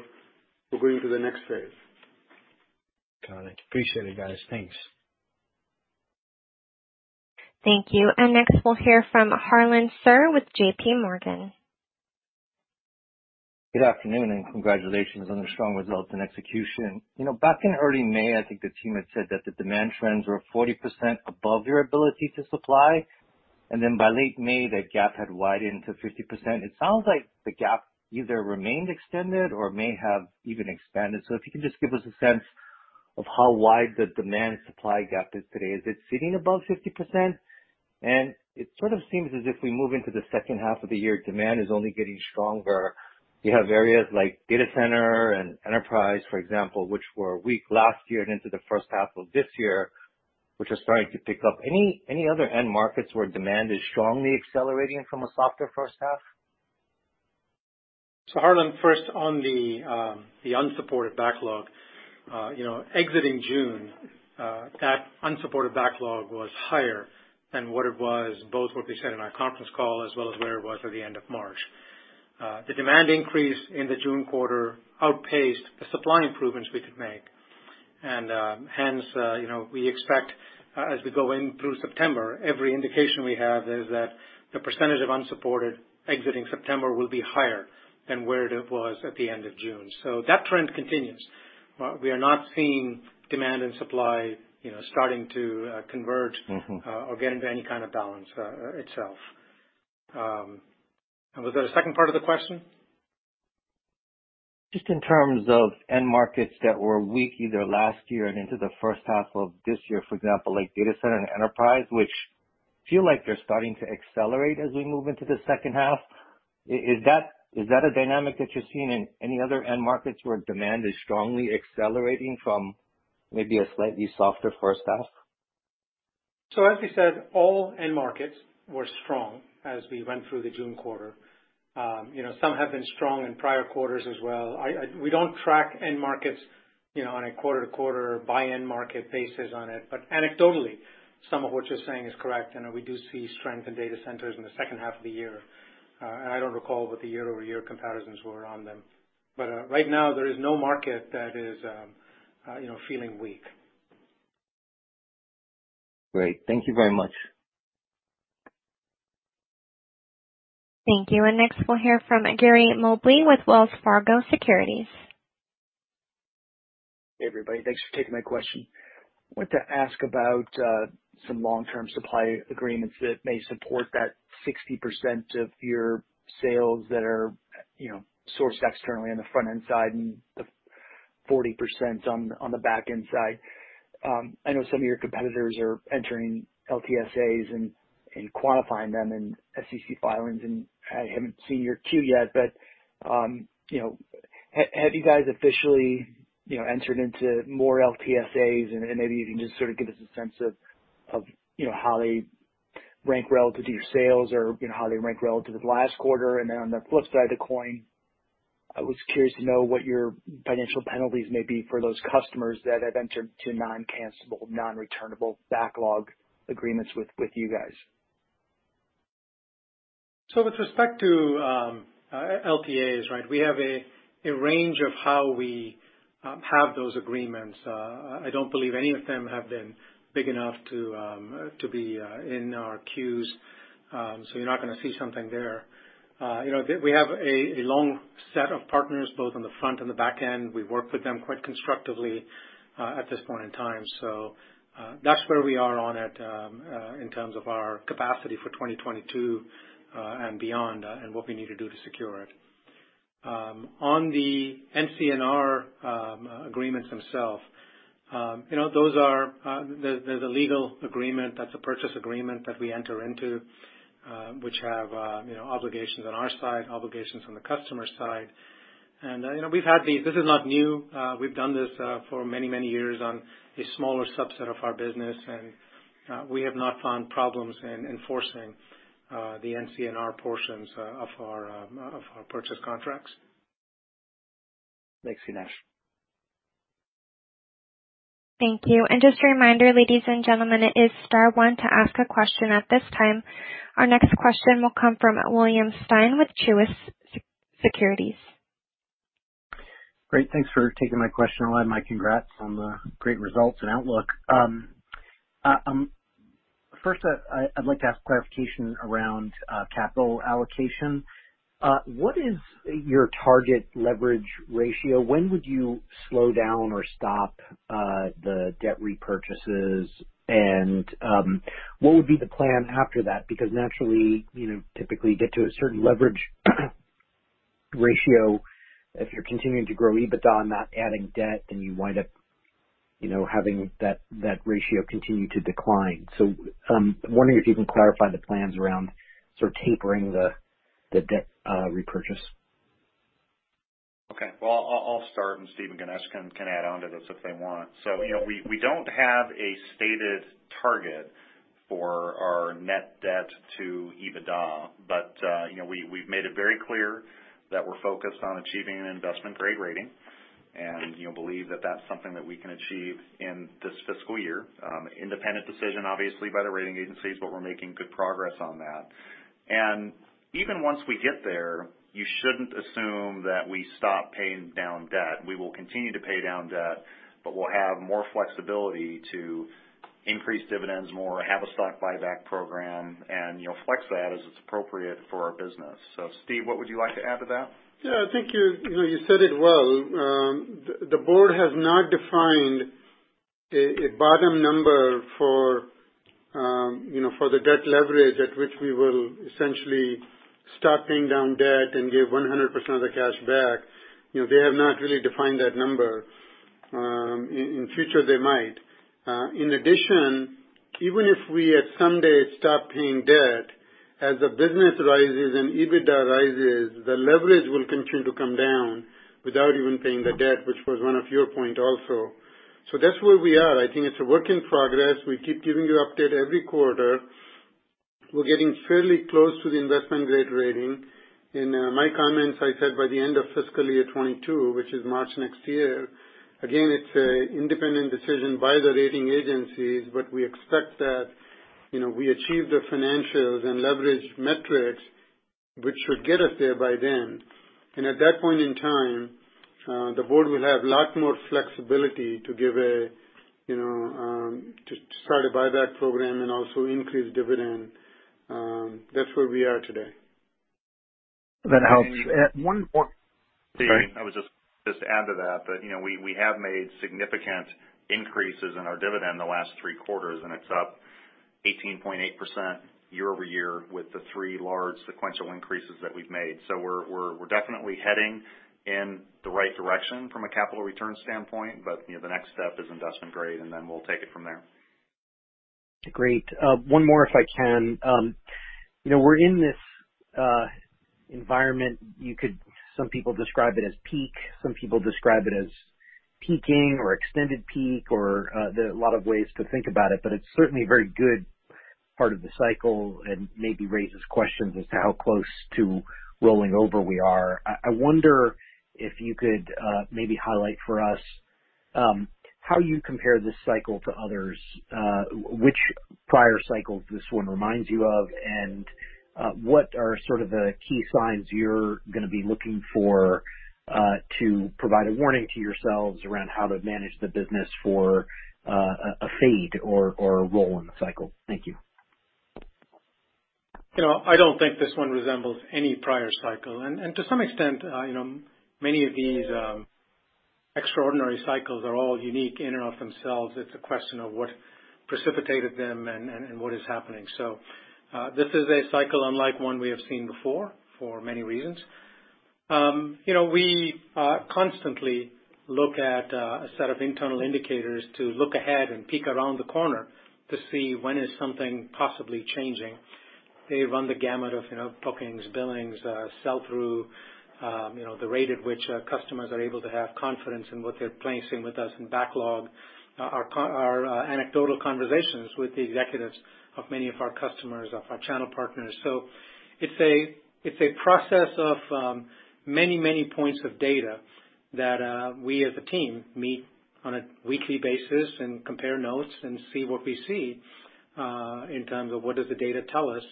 we're going to the next phase. Got it. Appreciate it, guys. Thanks. Thank you. Next we'll hear from Harlan Sur with JPMorgan. Good afternoon. Congratulations on the strong results and execution. Back in early May, I think the team had said that the demand trends were 40% above your ability to supply, and then by late May, that gap had widened to 50%. It sounds like the gap either remained extended or may have even expanded. If you can just give us a sense of how wide the demand supply gap is today. Is it sitting above 50%? It sort of seems as if we move into the second half of the year, demand is only getting stronger. You have areas like data center and enterprise, for example, which were weak last year and into the first half of this year, which are starting to pick up. Any other end markets where demand is strongly accelerating from a softer first half? Harlan, first on the unsupported backlog. Exiting June, that unsupported backlog was higher than what it was, both what we said on our conference call, as well as where it was at the end of March. The demand increase in the June quarter outpaced the supply improvements we could make, hence, we expect as we go in through September, every indication we have is that the percentage of unsupported exiting September will be higher than where it was at the end of June. That trend continues. We are not seeing demand and supply starting to converge. or get into any kind of balance itself. Was there a second part of the question? Just in terms of end markets that were weak either last year and into the first half of this year, for example, like data center and enterprise, which feel like they're starting to accelerate as we move into the second half. Is that a dynamic that you're seeing in any other end markets where demand is strongly accelerating from maybe a slightly softer first half? As we said, all end markets were strong as we went through the June quarter. Some have been strong in prior quarters as well. We don't track end markets on a quarter-to-quarter by end market basis on it. Anecdotally, some of what you're saying is correct, and we do see strength in data centers in the second half of the year. I don't recall what the year-over-year comparisons were on them. Right now, there is no market that is feeling weak. Great. Thank you very much. Thank you. Next we'll hear from Gary Mobley with Wells Fargo Securities. Hey everybody, thanks for taking my question. Wanted to ask about some long-term supply agreements that may support that 60% of your sales that are sourced externally on the front-end side and the 40% on the back-end side. I know some of your competitors are entering LTSAs and quantifying them in SEC filings, and I haven't seen your Q yet, but have you guys officially entered into more LTSAs? Maybe you can just sort of give us a sense of how they rank relative to your sales or how they rank relative to last quarter. Then on the flip side of the coin, I was curious to know what your financial penalties may be for those customers that have entered to non-cancelable, non-returnable backlog agreements with you guys. With respect to LTAs, right? We have a range of how we have those agreements. I don't believe any of them have been big enough to be in our queues. You're not going to see something there. We have a long set of partners both on the front and the back end. We work with them quite constructively, at this point in time. That's where we are on it, in terms of our capacity for 2022 and beyond, and what we need to do to secure it. On the NCNR agreements themselves, there's a legal agreement, that's a purchase agreement that we enter into, which have obligations on our side, obligations on the customer side. We've had these. This is not new. We've done this for many, many years on a smaller subset of our business, and we have not found problems in enforcing the NCNR portions of our purchase contracts. Thanks, Ganesh. Thank you. Just a reminder, ladies and gentlemen, it is star one to ask a question at this time. Our next question will come from William Stein with Truist Securities. Great. Thanks for taking my question. I want to add my congrats on the great results and outlook. First, I'd like to ask clarification around capital allocation. What is your target leverage ratio? When would you slow down or stop the debt repurchases? What would be the plan after that? Naturally, typically you get to a certain leverage ratio if you're continuing to grow EBITDA, not adding debt, then you wind up having that ratio continue to decline. I'm wondering if you can clarify the plans around tapering the debt repurchase. Okay. Well, I'll start, and Steve, Ganesh can add onto this if they want. We don't have a stated target for our net debt to EBITDA, but we've made it very clear that we're focused on achieving an investment-grade rating and believe that that's something that we can achieve in this fiscal year. Independent decision, obviously, by the rating agencies, but we're making good progress on that. Even once we get there, you shouldn't assume that we stop paying down debt. We will continue to pay down debt, but we'll have more flexibility to increase dividends more, have a stock buyback program, and flex that as it's appropriate for our business. Steve, what would you like to add to that? I think you said it well. The board has not defined a bottom number for the debt leverage at which we will essentially stop paying down debt and give 100% of the cash back. They have not really defined that number. In future, they might. Even if we someday stop paying debt, as the business rises and EBITDA rises, the leverage will continue to come down without even paying the debt, which was one of your point also. That's where we are. I think it's a work in progress. We keep giving you update every quarter. We're getting fairly close to the investment-grade rating. In my comments, I said by the end of fiscal year 2022, which is March next year. Again, it's a independent decision by the rating agencies, but we expect that we achieve the financials and leverage metrics, which should get us there by then. At that point in time, the board will have a lot more flexibility to start a buyback program and also increase dividend. That's where we are today. That helps. One more. Sorry. Steve, I would just add to that we have made significant increases in our dividend the last three quarters, and it's up 18.8% year-over-year with the three large sequential increases that we've made. We're definitely heading in the right direction from a capital return standpoint. The next step is investment-grade, and then we'll take it from there. Great. One more, if I can. We're in this environment, some people describe it as peak, some people describe it as peaking or extended peak or there are a lot of ways to think about it, but it's certainly a very good part of the cycle and maybe raises questions as to how close to rolling over we are. I wonder if you could maybe highlight for us how you compare this cycle to others, which prior cycles this one reminds you of, and what are sort of the key signs you're going to be looking for to provide a warning to yourselves around how to manage the business for a fade or a roll in the cycle. Thank you. I don't think this one resembles any prior cycle. To some extent, many of these extraordinary cycles are all unique in and of themselves. It's a question of what precipitated them and what is happening. This is a cycle unlike one we have seen before for many reasons. We constantly look at a set of internal indicators to look ahead and peek around the corner to see when is something possibly changing. They run the gamut of bookings, billings, sell through, the rate at which customers are able to have confidence in what they're placing with us in backlog, our anecdotal conversations with the executives of many of our customers, of our channel partners. It's a process of many, many points of data that we as a team meet on a weekly basis and compare notes and see what we see, in terms of what does the data tell us.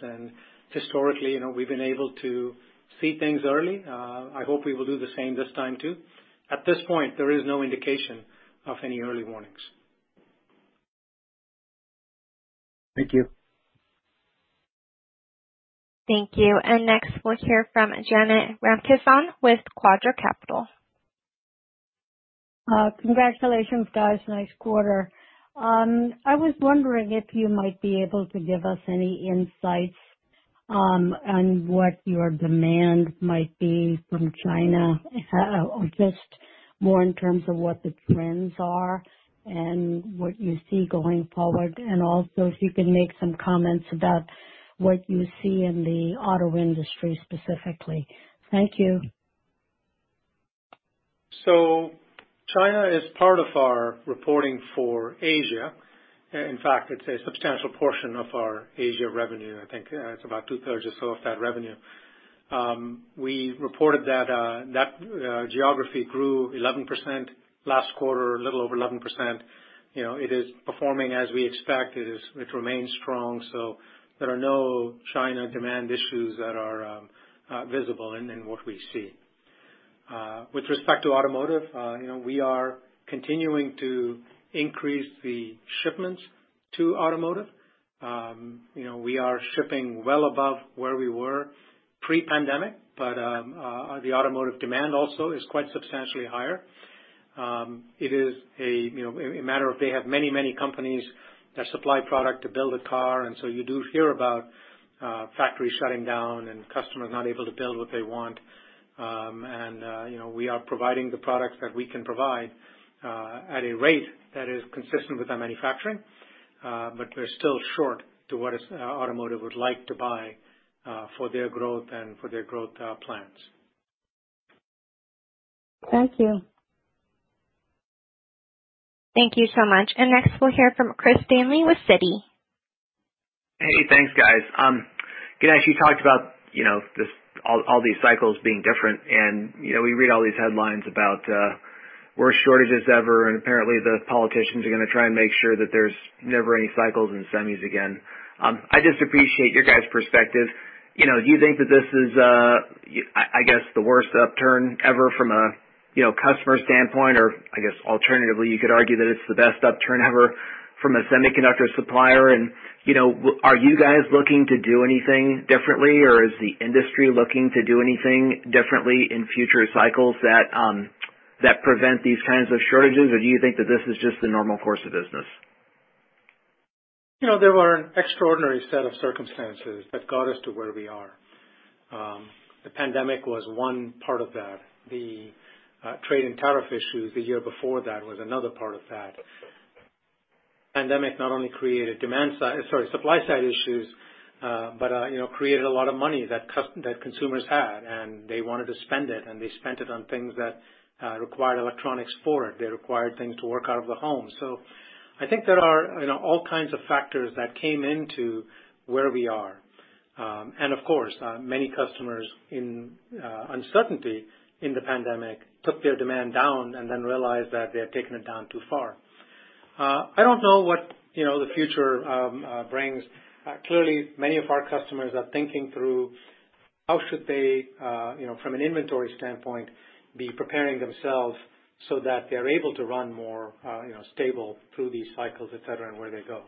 Historically, we've been able to see things early. I hope we will do the same this time too. At this point, there is no indication of any early warnings. Thank you. Thank you. Next, we'll hear from Janet Ramkissoon with Quadra Capital. Congratulations, guys. Nice quarter. I was wondering if you might be able to give us any insights on what your demand might be from China, just more in terms of what the trends are and what you see going forward. Also, if you can make some comments about what you see in the auto industry specifically. Thank you. China is part of our reporting for Asia. In fact, it's a substantial portion of our Asia revenue. I think it's about two-thirds or so of that revenue. We reported that that geography grew 11% last quarter, a little over 11%. It is performing as we expect. It remains strong. There are no China demand issues that are visible in what we see. With respect to automotive, we are continuing to increase the shipments to automotive. We are shipping well above where we were pre-pandemic. The automotive demand also is quite substantially higher. It is a matter of they have many companies that supply product to build a car. You do hear about factories shutting down and customers not able to build what they want. We are providing the products that we can provide at a rate that is consistent with our manufacturing. We're still short to what automotive would like to buy for their growth and for their growth plans. Thank you. Thank you so much. Next we'll hear from Chris Danely with Citi. Hey, thanks guys. Ganesh, you talked about all these cycles being different, and we read all these headlines about worst shortages ever, and apparently the politicians are going to try and make sure that there's never any cycles in semis again. I just appreciate your guys' perspective. Do you think that this is, I guess, the worst upturn ever from a customer standpoint? Or I guess alternatively, you could argue that it's the best upturn ever from a semiconductor supplier. Are you guys looking to do anything differently, or is the industry looking to do anything differently in future cycles that prevent these kinds of shortages? Or do you think that this is just the normal course of business? There were an extraordinary set of circumstances that got us to where we are. The pandemic was one part of that. The trade and tariff issues the year before that was another part of that. Pandemic not only created supply-side issues, but created a lot of money that consumers had, and they wanted to spend it, and they spent it on things that required electronics for it. They required things to work out of the home. I think there are all kinds of factors that came into where we are. Of course, many customers in uncertainty in the pandemic took their demand down and then realized that they had taken it down too far. I don't know what the future brings. Clearly, many of our customers are thinking through how should they, from an inventory standpoint, be preparing themselves so that they're able to run more stable through these cycles, et cetera, and where they go.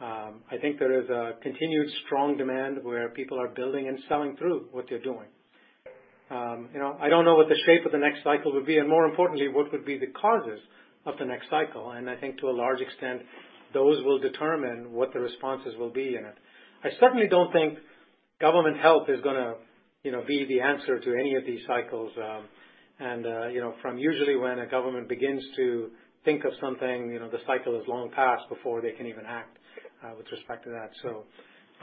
I think there is a continued strong demand where people are building and selling through what they're doing. I don't know what the shape of the next cycle will be, and more importantly, what would be the causes of the next cycle. I think to a large extent, those will determine what the responses will be in it. I certainly don't think government help is going to be the answer to any of these cycles. From usually when a government begins to think of something, the cycle is long past before they can even act with respect to that.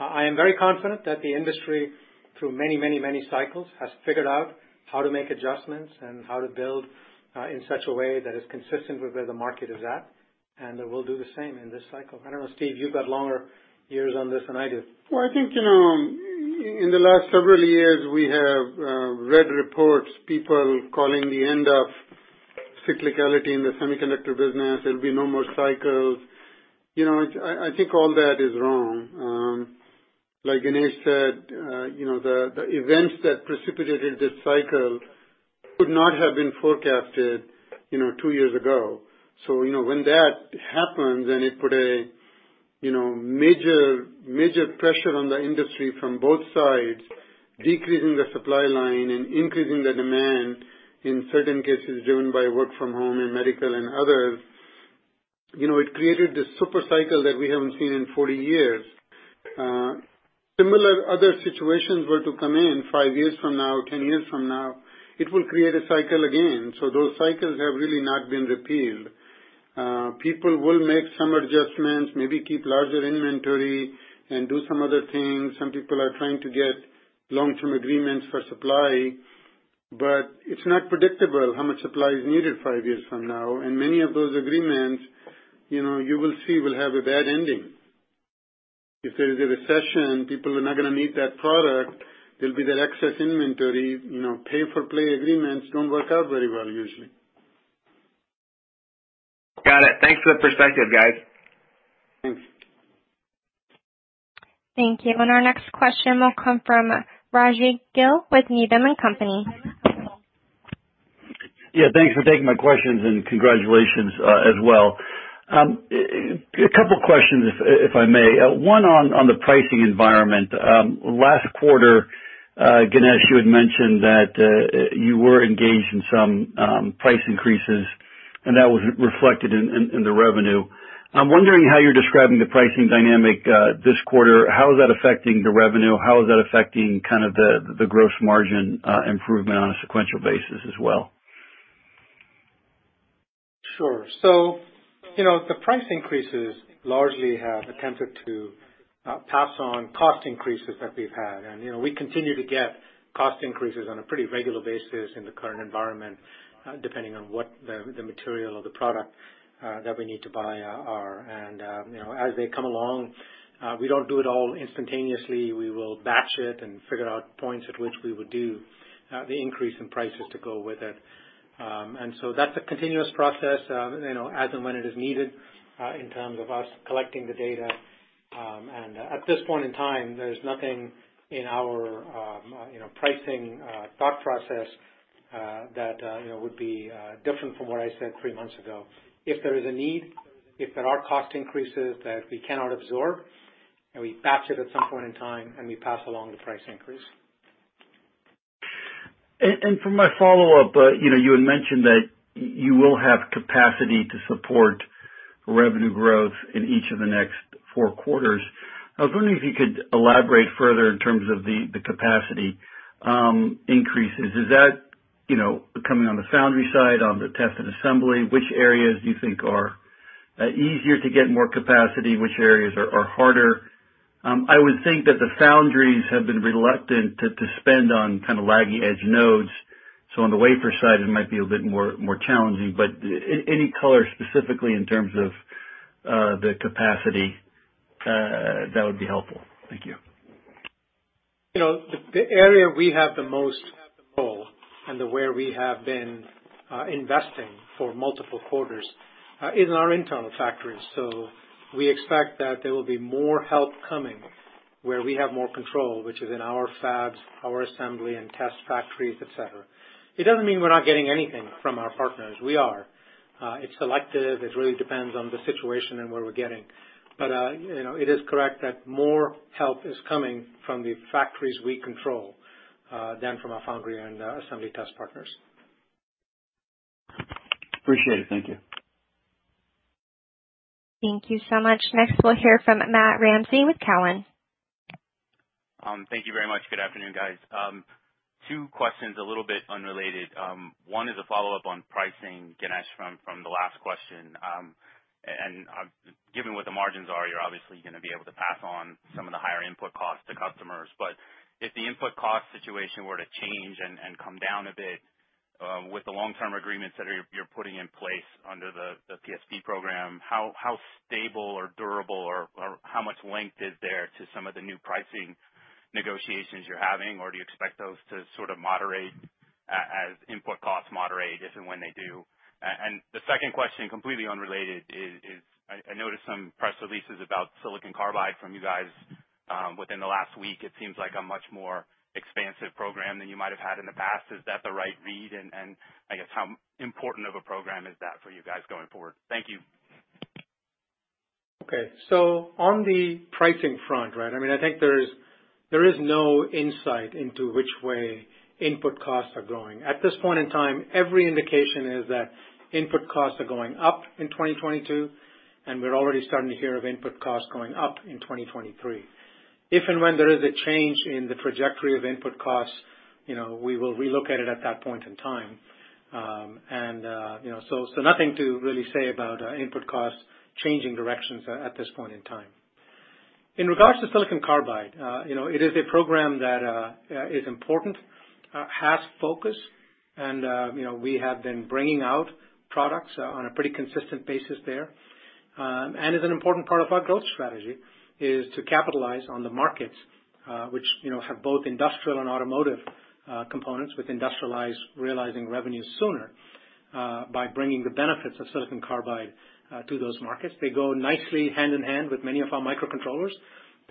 I am very confident that the industry, through many, many, many cycles, has figured out how to make adjustments and how to build in such a way that is consistent with where the market is at, and that we'll do the same in this cycle. I don't know, Steve, you've got longer years on this than I do. Well, I think, in the last several years, we have read reports, people calling the end of cyclicality in the semiconductor business. There'll be no more cycles. I think all that is wrong. Like Ganesh said, the events that precipitated this cycle could not have been forecasted two years ago. When that happens, and it put a major pressure on the industry from both sides, decreasing the supply line and increasing the demand in certain cases driven by work from home and medical and others, it created this super cycle that we haven't seen in 40 years. Similar other situations were to come in five years from now, 10 years from now, it will create a cycle again. Those cycles have really not been repealed. People will make some adjustments, maybe keep larger inventory and do some other things. Some people are trying to get Long-Term Agreements for supply, but it's not predictable how much supply is needed five years from now. Many of those agreements, you will see will have a bad ending. If there is a recession, people are not going to need that product, there'll be that excess inventory. Pay-for-play agreements don't work out very well usually. Got it. Thanks for the perspective, guys. Thanks. Thank you. Our next question will come from Rajvindra Gill with Needham & Company. Yeah, thanks for taking my questions and congratulations as well. A couple questions, if I may. One on the pricing environment. Last quarter, Ganesh, you had mentioned that you were engaged in some price increases and that was reflected in the revenue. I'm wondering how you're describing the pricing dynamic this quarter. How is that affecting the revenue? How is that affecting kind of the gross margin improvement on a sequential basis as well? Sure. The price increases largely have attempted to pass on cost increases that we've had. We continue to get cost increases on a pretty regular basis in the current environment, depending on what the material or the product that we need to buy are. As they come along, we don't do it all instantaneously. We will batch it and figure out points at which we would do the increase in prices to go with it. That's a continuous process, as and when it is needed, in terms of us collecting the data. At this point in time, there's nothing in our pricing thought process that would be different from what I said three months ago. If there is a need, if there are cost increases that we cannot absorb, and we batch it at some point in time, and we pass along the price increase. For my follow-up, you had mentioned that you will have capacity to support revenue growth in each of the next four quarters. I was wondering if you could elaborate further in terms of the capacity increases? Is that coming on the foundry side, on the test and assembly? Which areas do you think are easier to get more capacity? Which areas are harder? I would think that the foundries have been reluctant to spend on kind of lagging edge nodes, so on the wafer side it might be a bit more challenging. Any color specifically in terms of the capacity, that would be helpful. Thank you. The area we have the most control, and where we have been investing for multiple quarters, is in our internal factories. We expect that there will be more help coming where we have more control, which is in our fabs, our assembly and test factories, et cetera. It doesn't mean we're not getting anything from our partners. We are. It's selective. It really depends on the situation and where we're getting. It is correct that more help is coming from the factories we control, than from our foundry and assembly test partners. Appreciate it. Thank you. Thank you so much. Next we'll hear from Matt Ramsay with Cowen. Thank you very much. Good afternoon, guys. Two questions, a little bit unrelated. One is a follow-up on pricing, Ganesh, from the last question. Given what the margins are, you're obviously going to be able to pass on some of the higher input costs to customers. If the input cost situation were to change and come down a bit, with the long-term agreements that you're putting in place under the PSP program, how stable or durable or how much length is there to some of the new pricing negotiations you're having? Do you expect those to sort of moderate as input costs moderate if and when they do? The second question, completely unrelated, is I noticed some press releases about silicon carbide from you guys within the last week. It seems like a much more expansive program than you might have had in the past. Is that the right read? I guess, how important of a program is that for you guys going forward? Thank you. Okay. On the pricing front, right? I think there is no insight into which way input costs are going. At this point in time, every indication is that input costs are going up in 2022, and we're already starting to hear of input costs going up in 2023. If and when there is a change in the trajectory of input costs, we will relook at it at that point in time. Nothing to really say about input costs changing directions at this point in time. In regards to silicon carbide, it is a program that is important, has focus, and we have been bringing out products on a pretty consistent basis there. Is an important part of our growth strategy, is to capitalize on the markets, which have both industrial and automotive components, with industrial realizing revenues sooner, by bringing the benefits of silicon carbide to those markets. They go nicely hand in hand with many of our microcontrollers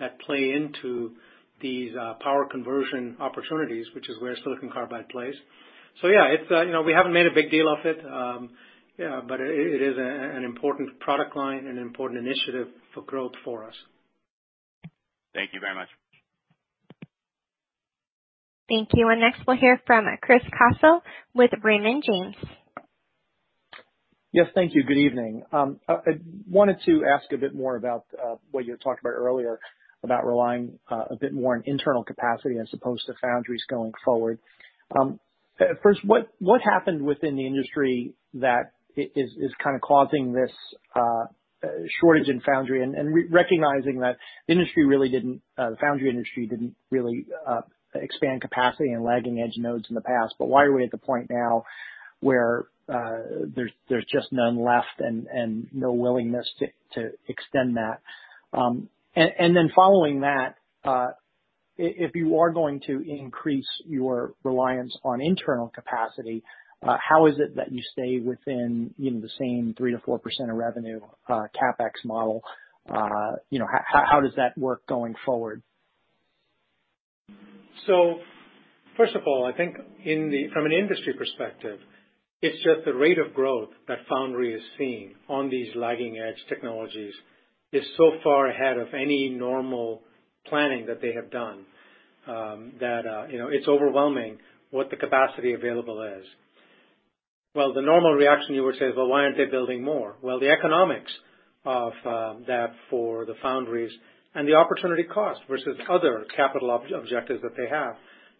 that play into these power conversion opportunities, which is where silicon carbide plays. Yeah, we haven't made a big deal of it. It is an important product line and an important initiative for growth for us. Thank you very much. Thank you. Next we'll hear from Chris Caso with Raymond James. Yes. Thank you. Good evening. I wanted to ask a bit more about what you had talked about earlier, about relying a bit more on internal capacity as opposed to foundries going forward. First, what happened within the industry that is kind of causing this shortage in foundry? Recognizing that the foundry industry didn't really expand capacity in lagging edge nodes in the past. Why are we at the point now where there's just none left and no willingness to extend that? Following that, if you are going to increase your reliance on internal capacity, how is it that you stay within the same 3%-4% of revenue, CapEx model? How does that work going forward? First of all, I think from an industry perspective, it's just the rate of growth that foundry is seeing on these lagging edge technologies is so far ahead of any normal planning that they have done, that it's overwhelming what the capacity available is. Well, the normal reaction you would say is, "Well, why aren't they building more?" Well, the economics of that for the foundries and the opportunity cost versus other capital objectives that they have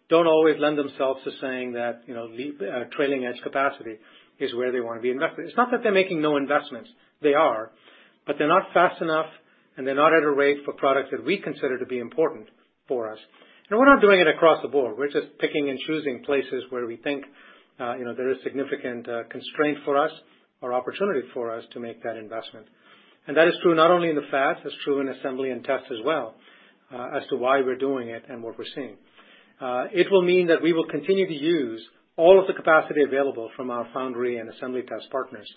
don't always lend themselves to saying that trailing edge capacity is where they want to be invested. It's not that they're making no investments. They are. They're not fast enough, and they're not at a rate for products that we consider to be important for us. We're not doing it across the board. We're just picking and choosing places where we think there is significant constraint for us or opportunity for us to make that investment. That is true not only in the fabs, it's true in assembly and test as well. As to why we're doing it and what we're seeing. It will mean that we will continue to use all of the capacity available from our foundry and assembly test partners.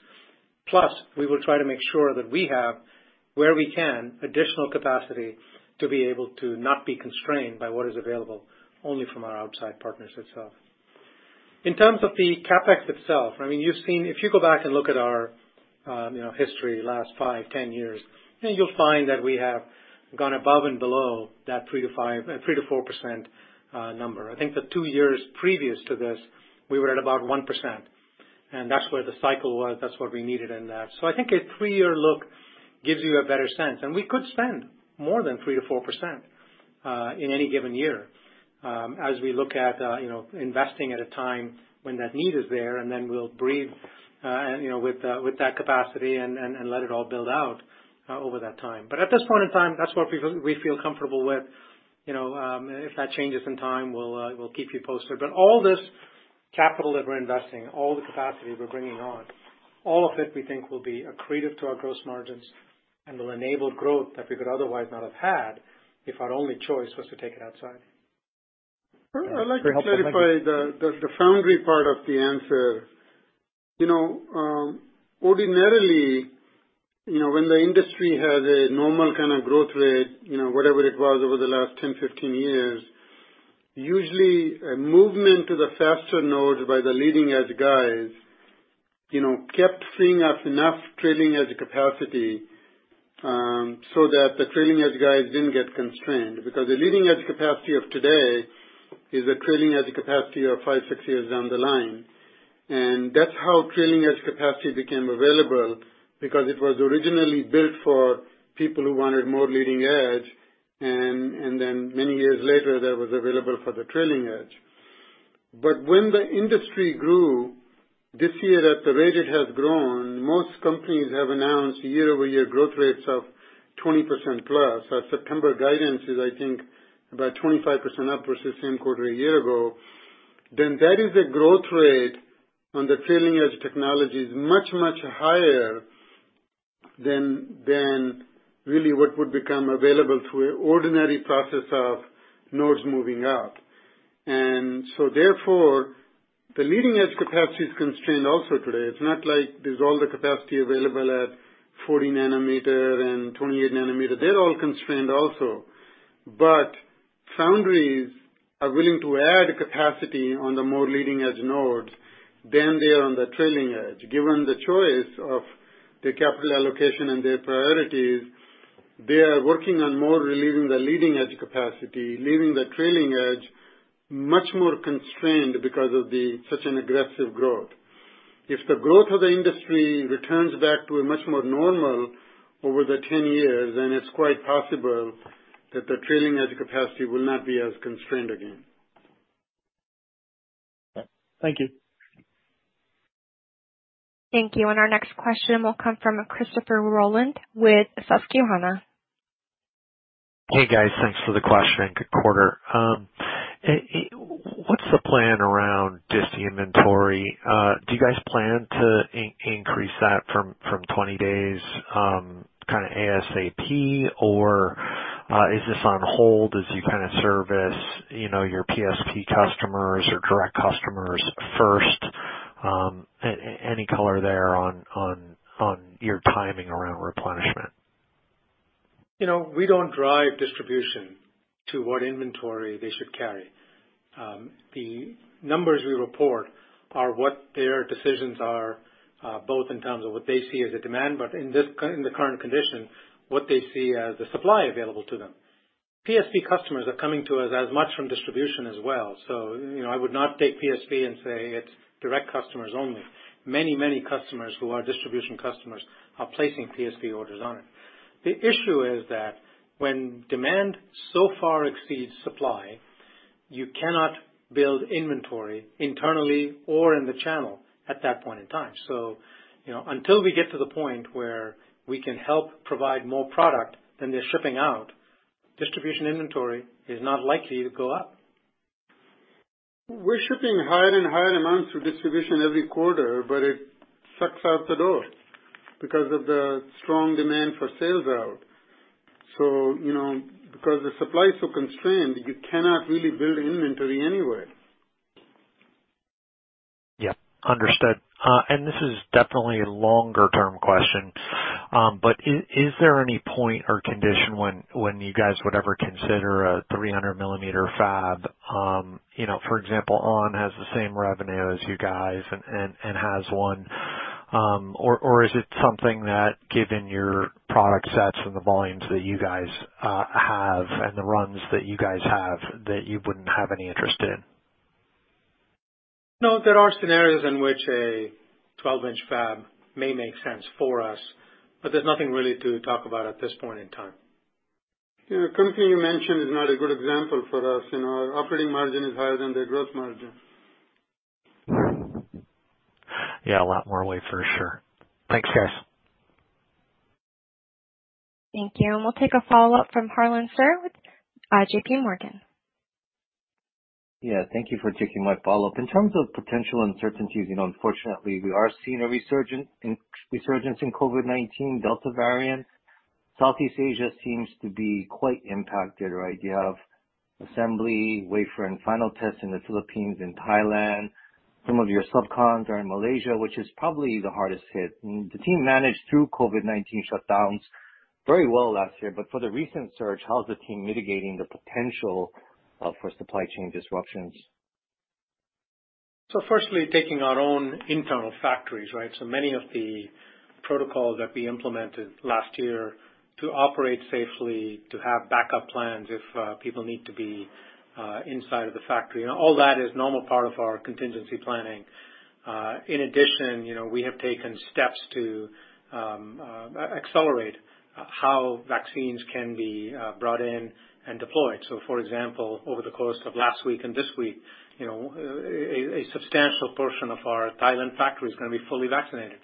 Plus, we will try to make sure that we have, where we can, additional capacity to be able to not be constrained by what is available only from our outside partners itself. In terms of the CapEx itself, if you go back and look at our history last five, 10 years, you'll find that we have gone above and below that 3%-4% number. I think the two years previous to this, we were at about 1%, and that's where the cycle was. That's what we needed in that. I think a three-year look gives you a better sense. We could spend more than 3%-4% in any given year. As we look at investing at a time when that need is there, and then we'll breathe with that capacity and let it all build out over that time. At this point in time, that's what we feel comfortable with. If that changes in time, we'll keep you posted. All this capital that we're investing, all the capacity we're bringing on, all of it we think will be accretive to our gross margins and will enable growth that we could otherwise not have had if our only choice was to take it outside. I'd like to clarify the foundry part of the answer. Ordinarily, when the industry has a normal kind of growth rate, whatever it was over the last 10, 15 years, usually a movement to the faster nodes by the leading-edge guys kept seeing us enough trailing edge capacity, so that the trailing edge guys didn't get constrained. Because the leading-edge capacity of today is a trailing edge capacity of five, six years down the line. That's how trailing edge capacity became available, because it was originally built for people who wanted more leading edge, and then many years later, that was available for the trailing edge. When the industry grew this year at the rate it has grown, most companies have announced year-over-year growth rates of 20% plus. Our September guidance is, I think, about 25% up versus same quarter a year ago. That is a growth rate on the trailing edge technology is much, much higher than really what would become available through an ordinary process of nodes moving out. Therefore, the leading edge capacity is constrained also today. It's not like there's all the capacity available at 40nm and 28nm. They're all constrained also. Foundries are willing to add capacity on the more leading-edge nodes than they are on the trailing edge. Given the choice of the capital allocation and their priorities, they are working on more relieving the leading edge capacity, leaving the trailing edge much more constrained because of such an aggressive growth. If the growth of the industry returns back to a much more normal over the 10 years, then it's quite possible that the trailing edge capacity will not be as constrained again. Thank you. Thank you. Our next question will come from Christopher Rolland with Susquehanna. Hey, guys. Thanks for the question. Good quarter. What's the plan around just the inventory? Do you guys plan to increase that from 20 days kind of ASAP, or is this on hold as you kind of service your PSP customers, your direct customers first? Any color there on your timing around replenishment? We don't drive distribution to what inventory they should carry. The numbers we report are what their decisions are, both in terms of what they see as a demand, but in the current condition, what they see as the supply available to them. PSP customers are coming to us as much from distribution as well. I would not take PSP and say it's direct customers only. Many customers who are distribution customers are placing PSP orders on it. The issue is that when demand so far exceeds supply, you cannot build inventory internally or in the channel at that point in time. Until we get to the point where we can help provide more product than they're shipping out, distribution inventory is not likely to go up. We're shipping higher and higher amounts to distribution every quarter, it sucks out the door because of the strong demand for sales out. Because the supply is so constrained, you cannot really build inventory anywhere. Yeah. Understood. This is definitely a longer term question. Is there any point or condition when you guys would ever consider a 300 millimeter fab? For example, ON has the same revenue as you guys and has one. Is it something that given your product sets and the volumes that you guys have and the runs that you guys have, that you wouldn't have any interest in? No, there are scenarios in which a 12-inch fab may make sense for us, but there's nothing really to talk about at this point in time. The company you mentioned is not a good example for us. Our operating margin is higher than their gross margin. Yeah, a lot more weight for sure. Thanks, guys. Thank you. We'll take a follow-up from Harlan Sur with JPMorgan. Yeah. Thank you for taking my follow-up. In terms of potential uncertainties, unfortunately we are seeing a resurgence in COVID-19 Delta variant. Southeast Asia seems to be quite impacted, right? You have assembly, wafer, and final tests in the Philippines and Thailand. Some of your sub-cons are in Malaysia, which is probably the hardest hit. The team managed through COVID-19 shutdowns very well last year. For the recent surge, how's the team mitigating the potential for supply chain disruptions? Firstly, taking our own internal factories, right? Many of the protocols that we implemented last year to operate safely, to have backup plans if people need to be inside of the factory, and all that is normal part of our contingency planning. In addition, we have taken steps to accelerate how vaccines can be brought in and deployed. For example, over the course of last week and this week, a substantial portion of our Thailand factory is going to be fully vaccinated.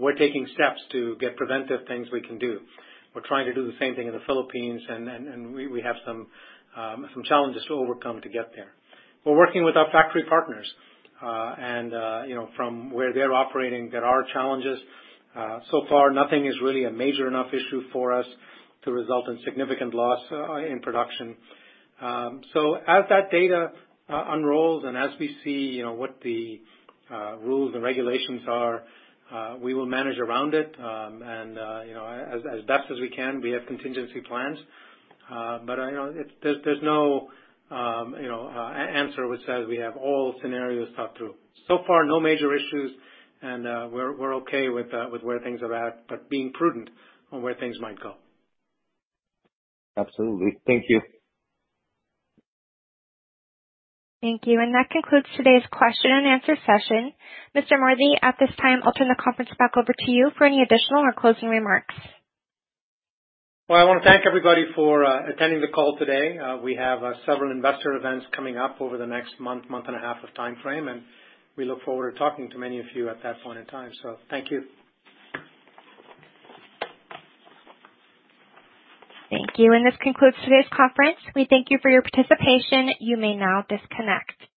We're taking steps to get preventive things we can do. We're trying to do the same thing in the Philippines, and we have some challenges to overcome to get there. We're working with our factory partners. From where they're operating, there are challenges. Far nothing is really a major enough issue for us to result in significant loss in production. As that data unrolls and as we see what the rules and regulations are, we will manage around it as best as we can. We have contingency plans. There's no answer which says we have all scenarios thought through. So far, no major issues, and we're okay with where things are at, but being prudent on where things might go. Absolutely. Thank you. Thank you. That concludes today's question and answer session. Ganesh Moorthy, at this time, I'll turn the conference back over to you for any additional or closing remarks. Well, I want to thank everybody for attending the call today. We have several investor events coming up over the next month and a half of timeframe, and we look forward to talking to many of you at that point in time. Thank you. Thank you. This concludes today's conference. We thank you for your participation. You may now disconnect.